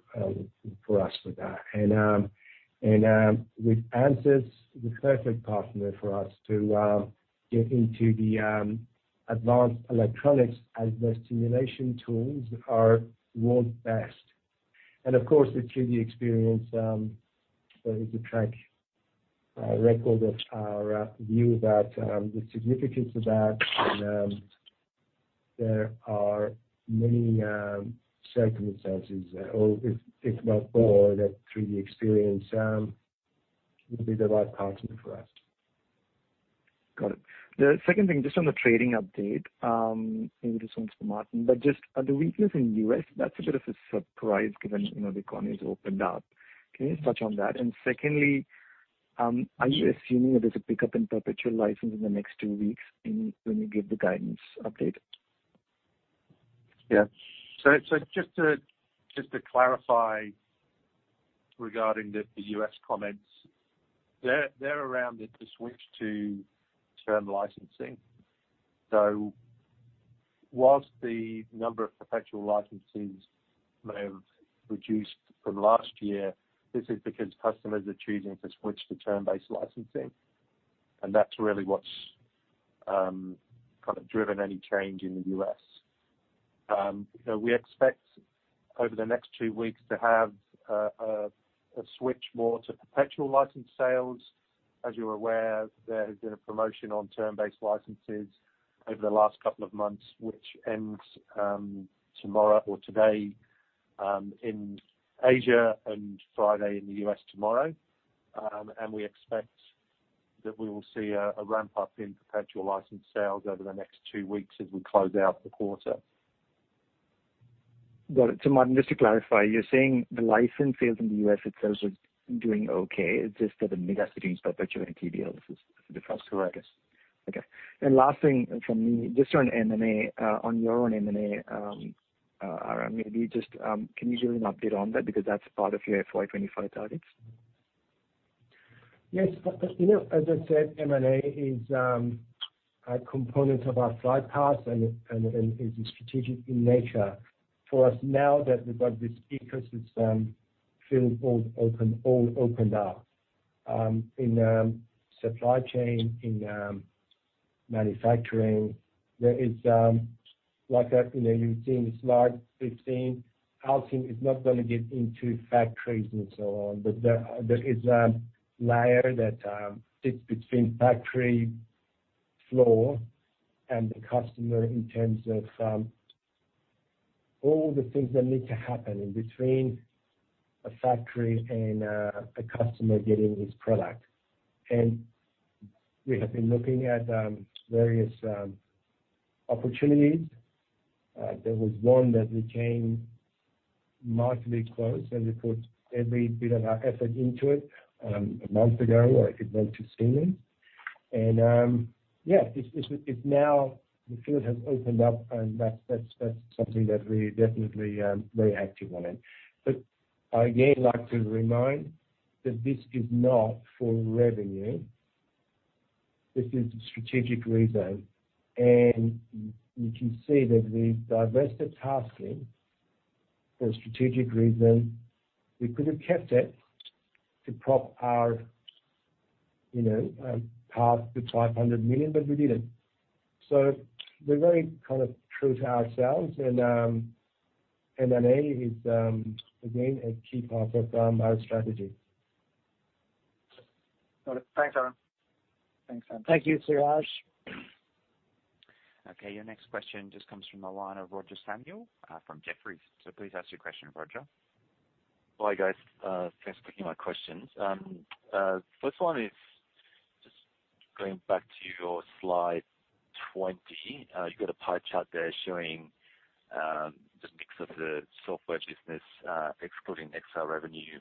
for us for that. With ANSYS, the perfect partner for us to get into the advanced electronics as their simulation tools are world best. Of course, the 3DEXPERIENCE has a track record of our view about the significance of that, and there are many circumstances, or if not all, that 3DEXPERIENCE will be the right partner for us. Got it. The second thing, just on the trading update, maybe this one's for Martin Ive, but just on the weakness in U.S., that's a bit of a surprise given the economy's opened up. Can you touch on that? Secondly, are you assuming that there's a pickup in perpetual license in the next two weeks when you give the guidance update? Yeah. Just to clarify regarding the U.S. comments, they're around the switch to term licensing. Whilst the number of perpetual licenses may have reduced from last year, this is because customers are choosing to switch to term-based licensing, and that's really what's driven any change in the U.S. We expect over the next two weeks to have a switch more to perpetual license sales. As you're aware, there's been a promotion on term-based licenses over the last couple of months, which ends tomorrow or today in Asia, and Friday in the U.S., tomorrow. We expect that we will see a ramp-up in perpetual license sales over the next two weeks as we close out the quarter. Martin, just to clarify, you're saying the license sales in the U.S. are doing okay. It's just that the mix has been perpetual and PD versus DFRSS? correct. Okay. Last thing from me, just on M&A. On your own M&A, Aram, can you give an update on that because that's part of your FY 2025 targets? Yes. As I said, M&A is a component of our flight path and is strategic in nature. For us, now that we've got this ecosystem feeling all opened up in supply chain, in manufacturing. Like you see in slide 15, Altium is not going to get into factories and so on, but there is a layer that sits between factory floor and the customer in terms of all the things that need to happen in between a factory and a customer getting this product. We have been looking at various opportunities. There was one that we came markedly close, and we put every bit of our effort into it a month ago at Adventure Siemens. Yeah, now the field has opened up, and that's something that we're definitely very active on it. Again, like we remind, that this is not for revenue. This is a strategic reason. You can see that we divested TASKING for strategic reasons. We could have kept it to prop our path to $500 million, we didn't. We're very true to ourselves, and M&A is again a key part of our growth strategy. Thanks, Aram. Thank you, Siraj. Okay. Your next question just comes from the line of Roger Samuel from Jefferies. Please ask your question, Roger. Hi, guys. Thanks for taking my questions. First one is just going back to your slide 20. You've got a pie chart there showing the mix of the software business excluding Nexar revenue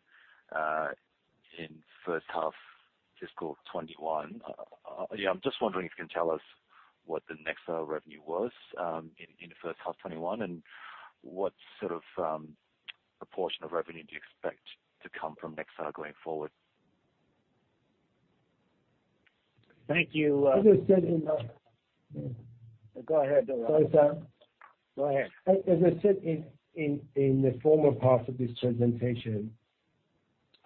in first half fiscal 2021. I'm just wondering if you can tell us what the Nexar revenue was in first half 2021, and what sort of proportion of revenue do you expect to come from Nexar going forward? Thank you. Go ahead, Aram. As I said in the former part of this presentation,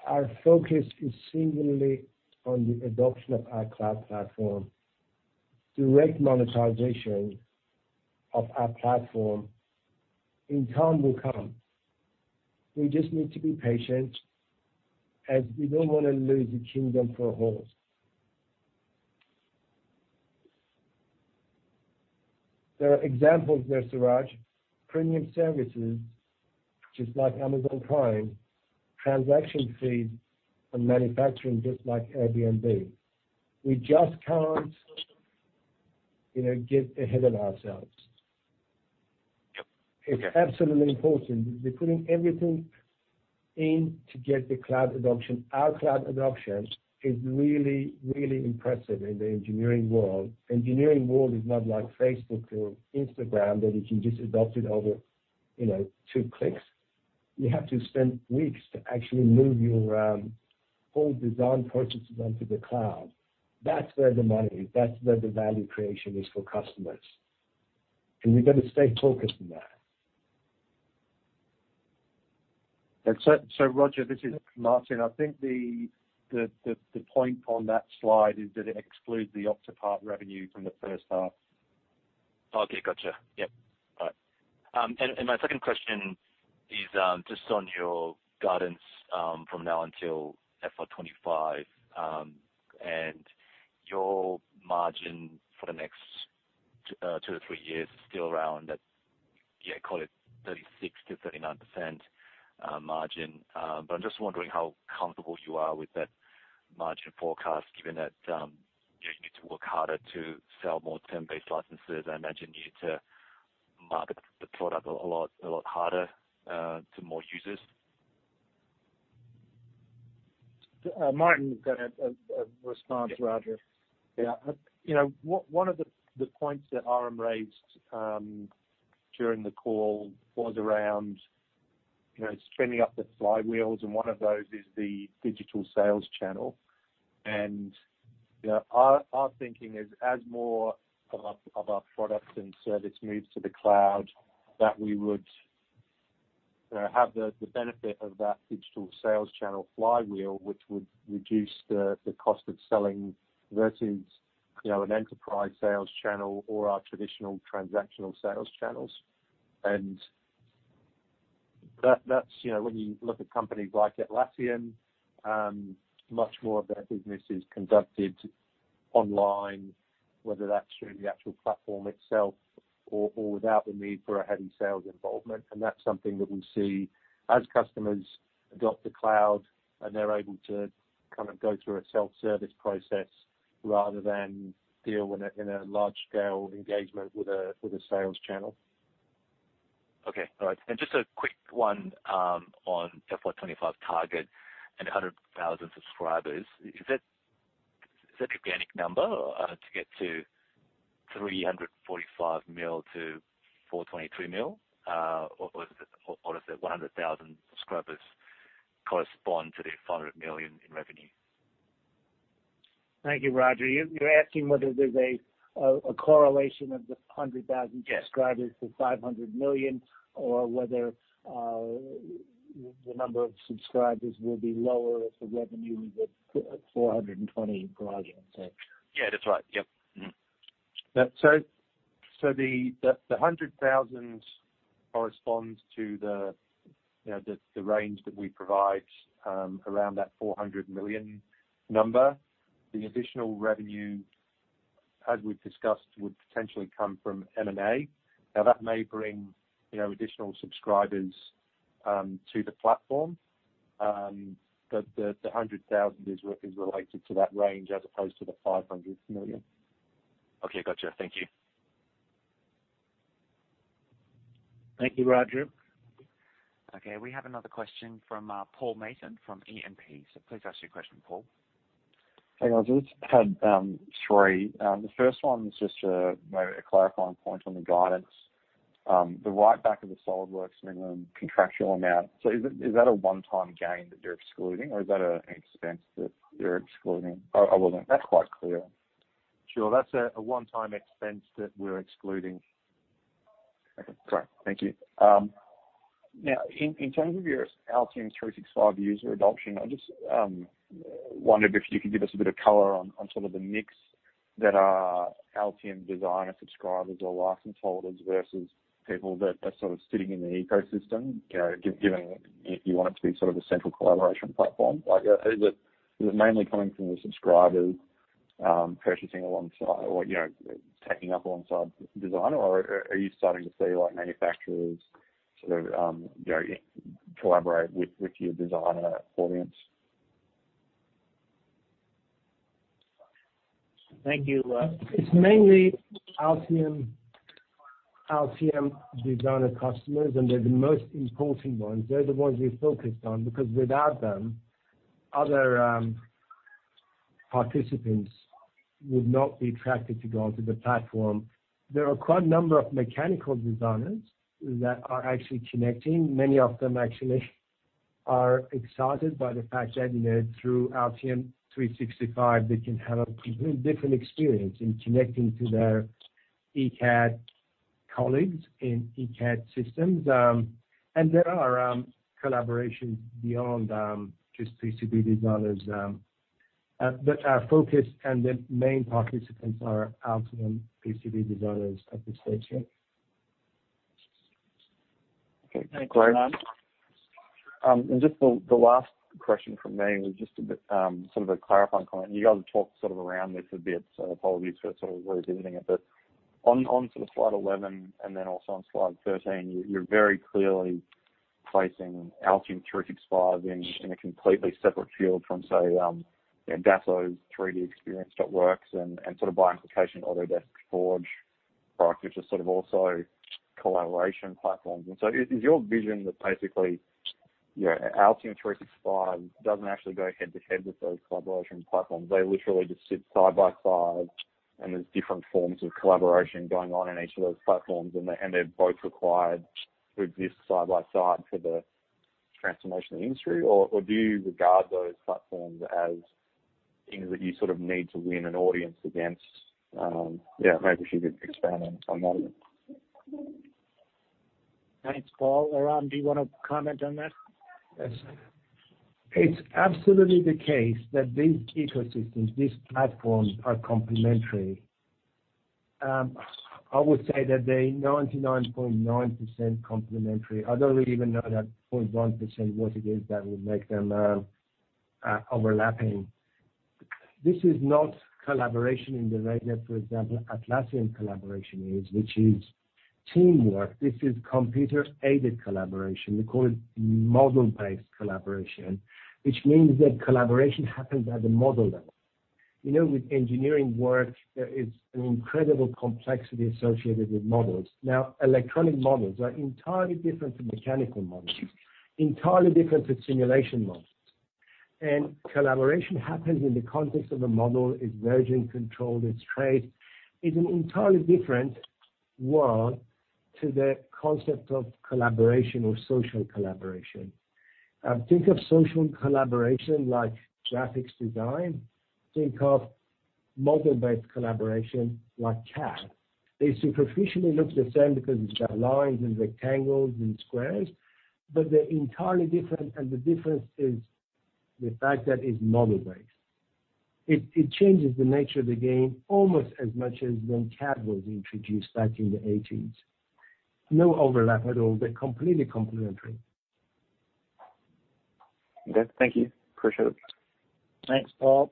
our focus is singularly on the adoption of our cloud platform. Direct monetization of our platform in time will come. We just need to be patient, as we don't want to lose a kingdom for a horse. There are examples there, Siraj. Premium services, just like Amazon Prime, transaction fees, and manufacturing, just like Airbnb. We just can't get ahead of ourselves. It's absolutely important. We're putting everything in to get the cloud adoption. Our cloud adoption is really, really impressive in the engineering world. Engineering world is not like Facebook or Instagram that you can just adopt it over two clicks. You have to spend weeks to actually move your whole design project onto the cloud. That's where the money is. That's where the value creation is for customers. We're going to stay focused on that. Roger, this is Martin. I think the point on that slide is that it excludes the Octopart revenue from the first half. Okay, got you. Yep. All right. My second question is just on your guidance from now until FY 2025. Your margin for the next two or three years is still around that, call it 36%-39% margin. I'm just wondering how comfortable you are with that margin forecast, given that you need to work harder to sell more term-based licenses. I imagine you need to market the product a lot harder to more users. Martin, I'm going to respond to Roger. Yeah. One of the points that Aram raised during the call was around spinning up the flywheels, and one of those is the digital sales channel. Our thinking is as more of our products and service moves to the cloud, that we would have the benefit of that digital sales channel flywheel, which would reduce the cost of selling versus an enterprise sales channel or our traditional transactional sales channels. When you look at companies like Atlassian, much more of their business is conducted online, whether that's through the actual platform itself or without the need for a heavy sales involvement. That's something that we see as customers adopt the cloud, and they're able to go through a self-service process rather than deal in a large-scale engagement with a sales channel. Okay. All right. Just a quick one on FY 2025 target and 100,000 subscribers. Is that organic number to get to $345 million to $423 million, or does the 100,000 subscribers correspond to the $500 million in revenue? Thank you, Roger. You're asking whether there's a correlation of the 100,000 subscribers to $500 million or whether the number of subscribers will be lower if the revenue was at $420, Roger? Yeah, that's right. Yep. Mm-hmm. The 100,000 corresponds to the range that we provide around that $400 million number. The additional revenue, as we've discussed, would potentially come from M&A. Now, that may bring additional subscribers to the platform. The 100,000 is related to that range as opposed to the $500 million. Okay, gotcha. Thank you. Thank you, Roger. Okay, we have another question from Paul Mason from E&P. Please ask your question, Paul. Hey, guys. I just had three. The first one is just a clarifying point on the guidance. The write-back of the SOLIDWORKS minimum contractual amount. Is that a one-time gain that you're excluding or is that an expense that you're excluding? I wasn't that quite clear. Sure. That's a one-time expense that we're excluding. Great. Thank you. In terms of your Altium 365 user adoption, I just wondered if you could give us a bit of color on sort of the mix that are Altium Designer subscribers or license holders versus people that are sort of sitting in the ecosystem, given if you want it to be sort of a central collaboration platform. Is it mainly coming from the subscribers purchasing alongside or taking up alongside Designer or are you starting to see manufacturers collaborate with your Designer audience? Thank you. It's mainly Altium Designer customers, and they're the most important ones. They're the ones we focused on because without them, other participants would not be attracted to go onto the platform. There are quite a number of mechanical designers that are actually connecting. Many of them actually are excited by the fact that through Altium 365, they can have a completely different experience in connecting to their ECAD colleagues in ECAD systems. There are collaborations beyond just PCB designers. Our focus and the main participants are Altium PCB designers at this stage. Okay, great. Just the last question from me was just a bit sort of a clarifying comment. You guys have talked sort of around this a bit. Apologies for sort of revisiting it. On sort of slide 11 and then also on slide 13, you're very clearly placing Altium 365 in a completely separate field from, say, Dassault's 3DEXPERIENCE WORKS and sort of by implication, Autodesk Forge products, which are sort of also collaboration platforms. Is your vision that basically Altium 365 doesn't actually go head to head with those collaboration platforms? They literally just sit side by side and there's different forms of collaboration going on in each of those platforms, and they're both required to exist side by side for the transformation of the industry? Do you regard those platforms as things that you sort of need to win an audience against? Maybe if you could expand on that. Thanks, Paul. Aram, do you want to comment on that? Yes. It's absolutely the case that these ecosystems, these platforms, are complementary. I would say that they are 99.9% complementary. I don't really even know that 0.1% what it is that would make them overlapping. This is not collaboration in the regular, for example, Atlassian collaboration is, which is teamwork. This is computer-aided collaboration. We call it model-based collaboration, which means that collaboration happens at the model level. With engineering work, there is an incredible complexity associated with models. Now, electronic models are entirely different to mechanical models, entirely different to simulation models. Collaboration happens in the context of a model. It's version control, there's trade. It's an entirely different world to the concept of collaboration or social collaboration. Think of social collaboration like graphics design. Think of model-based collaboration like CAD. They superficially look the same because there's lines and rectangles and squares, but they're entirely different, and the difference is the fact that it's model-based. It changes the nature of the game almost as much as when CAD was introduced back in the '80s. No overlap at all. They're completely complementary. Okay. Thank you. Appreciate it. Thanks, Paul.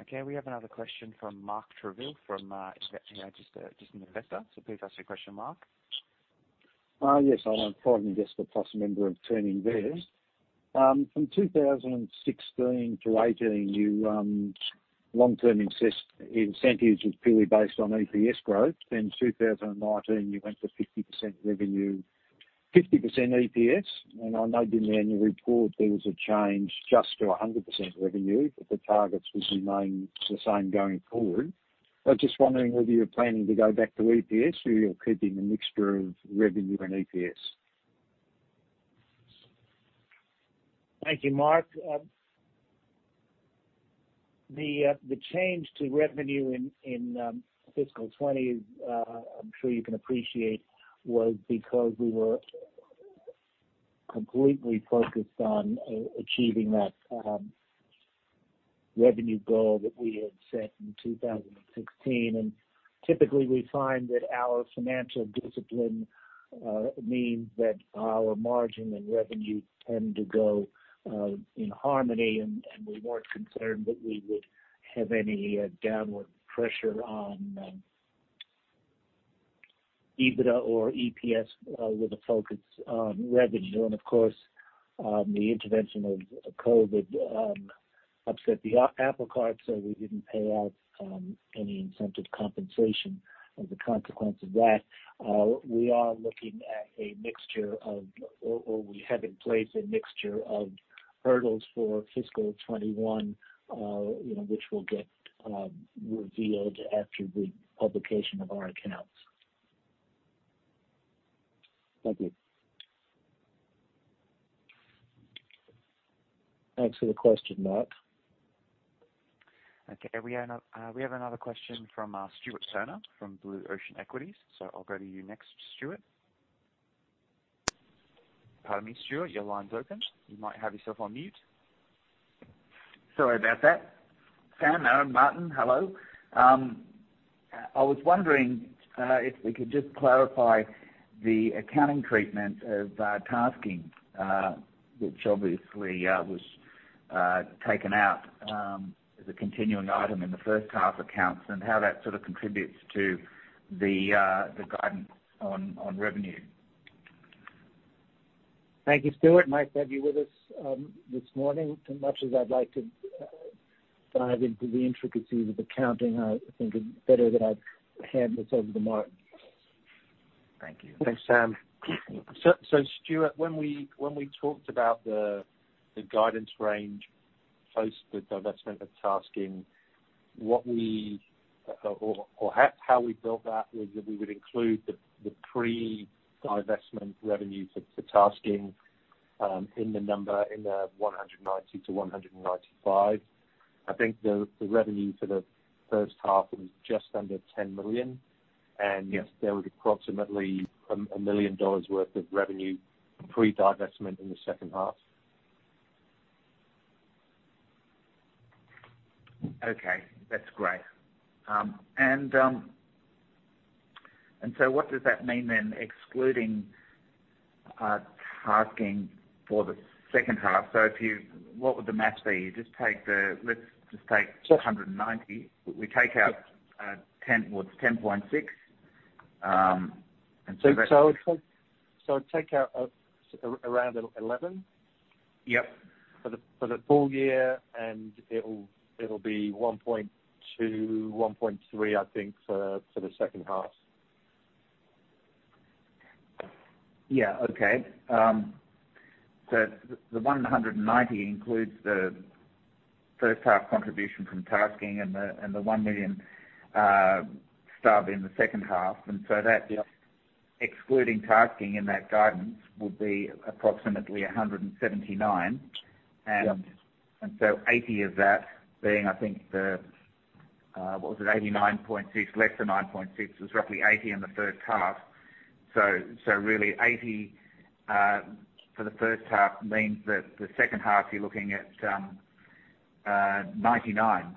Okay, we have another question from Mark Trevillion from, just an Investor. Please ask your question, Mark. Yes. I'm probably just the plus member of Turning Point. From 2016 to 2018, you ran long-term incentives purely based on EPS growth. In 2019, you went to 50% revenue, 50% EPS. I know in the annual report there was a change just to 100% revenue, the targets will remain the same going forward. I was just wondering whether you're planning to go back to EPS or you're keeping a mixture of revenue and EPS. Thank you, Mark. The change to revenue in fiscal 2020, I'm sure you can appreciate, was because we were completely focused on achieving that revenue goal that we had set in 2016. Typically, we find that our financial discipline means that our margin and revenue tend to go in harmony, and we weren't concerned that we would have any downward pressure on EBITDA or EPS with a focus on revenue. Of course, the intervention of COVID upset the apple cart, so we didn't pay out any incentive compensation as a consequence of that. We are looking at a mixture of, or we have in place a mixture of hurdles for fiscal 2021, which will get revealed after the publication of our accounts. Thank you. Thanks for the question, Mark. Okay, we have another question from Stuart Sona from Blue Ocean Equities. I'll go to you next, Stuart. Pardon me, Stuart, your line's open. You might have yourself on mute. Sorry about that. Sam, Aram, Martin, hello. I was wondering if we could just clarify the accounting treatment of TASKING, which obviously was taken out as a continuing item in the first half accounts, and how that sort of contributes to the guidance on revenue. Thank you, Stuart. Nice to have you with us this morning. As much as I'd like to dive into the intricacies of accounting, I think it's better that I hand this over to Martin. Thank you. Thanks, Sam. Stuart, when we talked about the guidance range post the divestment of TASKING, how we built that was that we would include the pre-divestment revenue for TASKING in the number in the $190-$195. I think the revenue for the first half was just under $10 million, and yes, there was approximately $1 million worth of revenue pre-divestment in the second half. Okay, that's great. What does that mean then, excluding TASKING for the second half? What would the math be? Let's just take $190. We take out $10.6. Take out around 11? Yep. For the full year, and it'll be 1.2, 1.3, I think, for the second half. Yeah. Okay. The $190 includes the first half contribution from TASKING and the $1 million stub in the second half. Yep Excluding TASKING in that guidance, will be approximately $179. Yep. $80 of that being, I think the, was it $89.6, less than $9.6, was roughly $80 in the first half. Really $80 for the first half means that the second half you're looking at $99,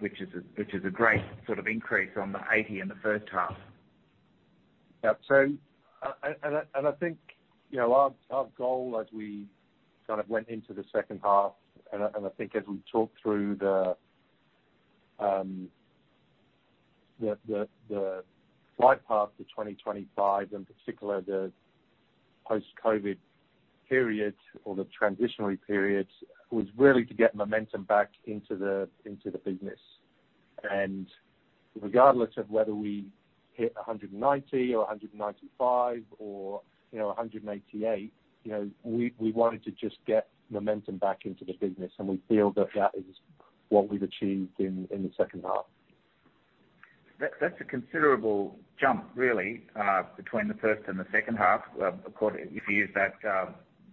which is a great increase on the $80 in the first half. Yep. I think our goal as we went into the second half. The flight path for 2025, in particular, the post-COVID period or the transitionary period, was really to get momentum back into the business. Regardless of whether we hit 190 or 195 or 188, we wanted to just get momentum back into the business, and we feel that is what we've achieved in the second half. That's a considerable jump, really, between the first and the second half, of course, if you use that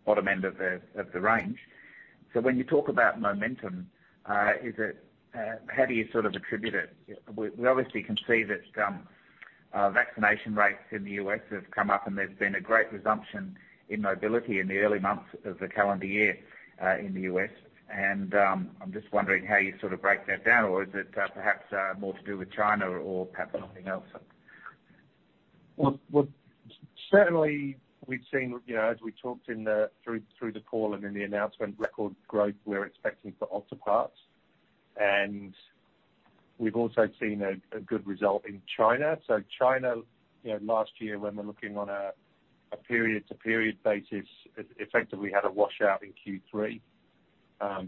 bottom end of the range. When you talk about momentum, how do you attribute it? We obviously can see that vaccination rates in the U.S. have come up, and there's been a great resumption in mobility in the early months of the calendar year in the U.S. I'm just wondering how you break that down, or is it perhaps more to do with China or perhaps something else? Well, certainly we've seen, as we talked through the call and in the announcement, record growth we're expecting for Altium. We've also seen a good result in China. China, last year, when we're looking on a period-to-period basis, effectively had a washout in Q3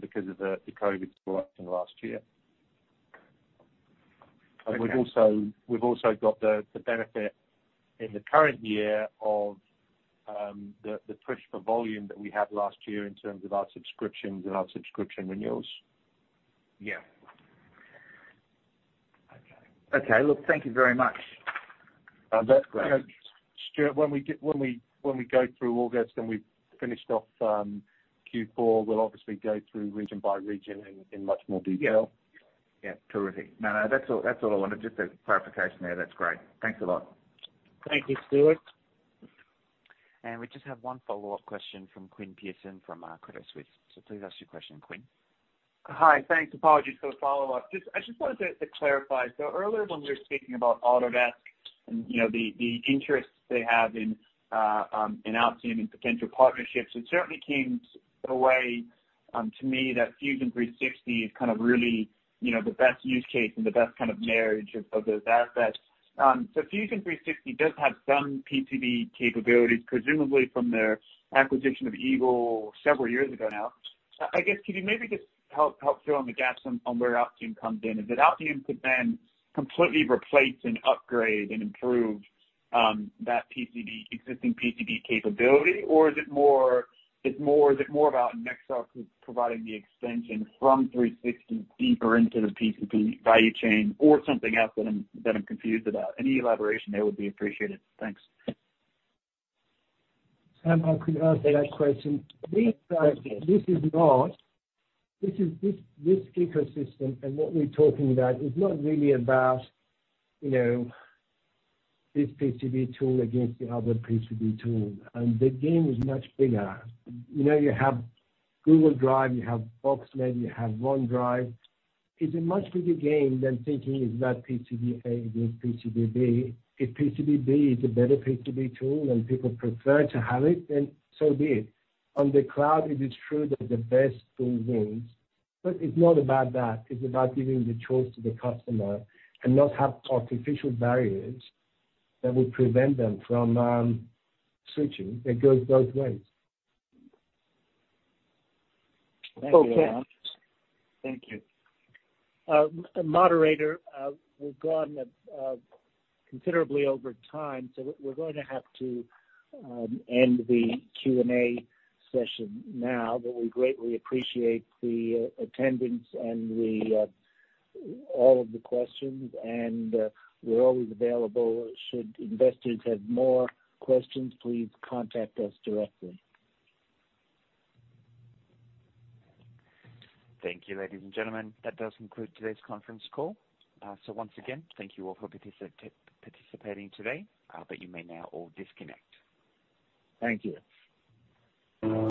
because of the COVID situation last year. Okay. We've also got the benefit in the current year of the push for volume that we had last year in terms of our subscriptions and our subscription renewals. Yeah. Okay. Look, thank you very much. That's great. Stuart, when we go through August and we've finished off Q4, we'll obviously go through region by region in much more detail. Yeah. Cool. That's all I wanted, just a clarification there. That's great. Thanks a lot. Thank you, Stuart. We just have one follow-up question from Quinn Pierson from Credit Suisse. Please ask your question, Quinn. Hi. Thanks. Apologies for the follow-up. I just wanted to clarify. Earlier when you were speaking about Autodesk and the interest they have in Altium and potential partnerships, it certainly came in a way to me that Autodesk Fusion is really the best use case and the best marriage of those assets. Autodesk Fusion does have some PCB capabilities, presumably from their acquisition of EAGLE several years ago now. Could you maybe just help fill in the gaps on where Altium comes in? Is it Altium could then completely replace and upgrade and improve that existing PCB capability? Or is it more about Nexar providing the extension from Altium 365 deeper into the PCB value chain or something else that I'm confused about? Any elaboration there would be appreciated. Thanks. Sam, I could answer that question. This ecosystem and what we're talking about is not really about this PCB tool against the other PCB tool. The game is much bigger. You have Google Drive, you have Box, maybe you have OneDrive. It's a much bigger game than thinking is that PCB A or PCB B. If PCB B is a better PCB tool and people prefer to have it, then so be it. On the cloud, it is true that the best tool wins, but it's not about that. It's about giving the choice to the customer and not have artificial barriers that would prevent them from switching. It goes both ways. Okay. Thank you. Moderator, we'`ve gone considerably over time, so we're going to have to end the Q&A session now. We greatly appreciate the attendance and all of the questions, and we're always available should investors have more questions. Please contact us directly. Thank you, ladies and gentlemen. That does conclude today's conference call. Once again, thank you all for participating today. You may now all disconnect. Thank you.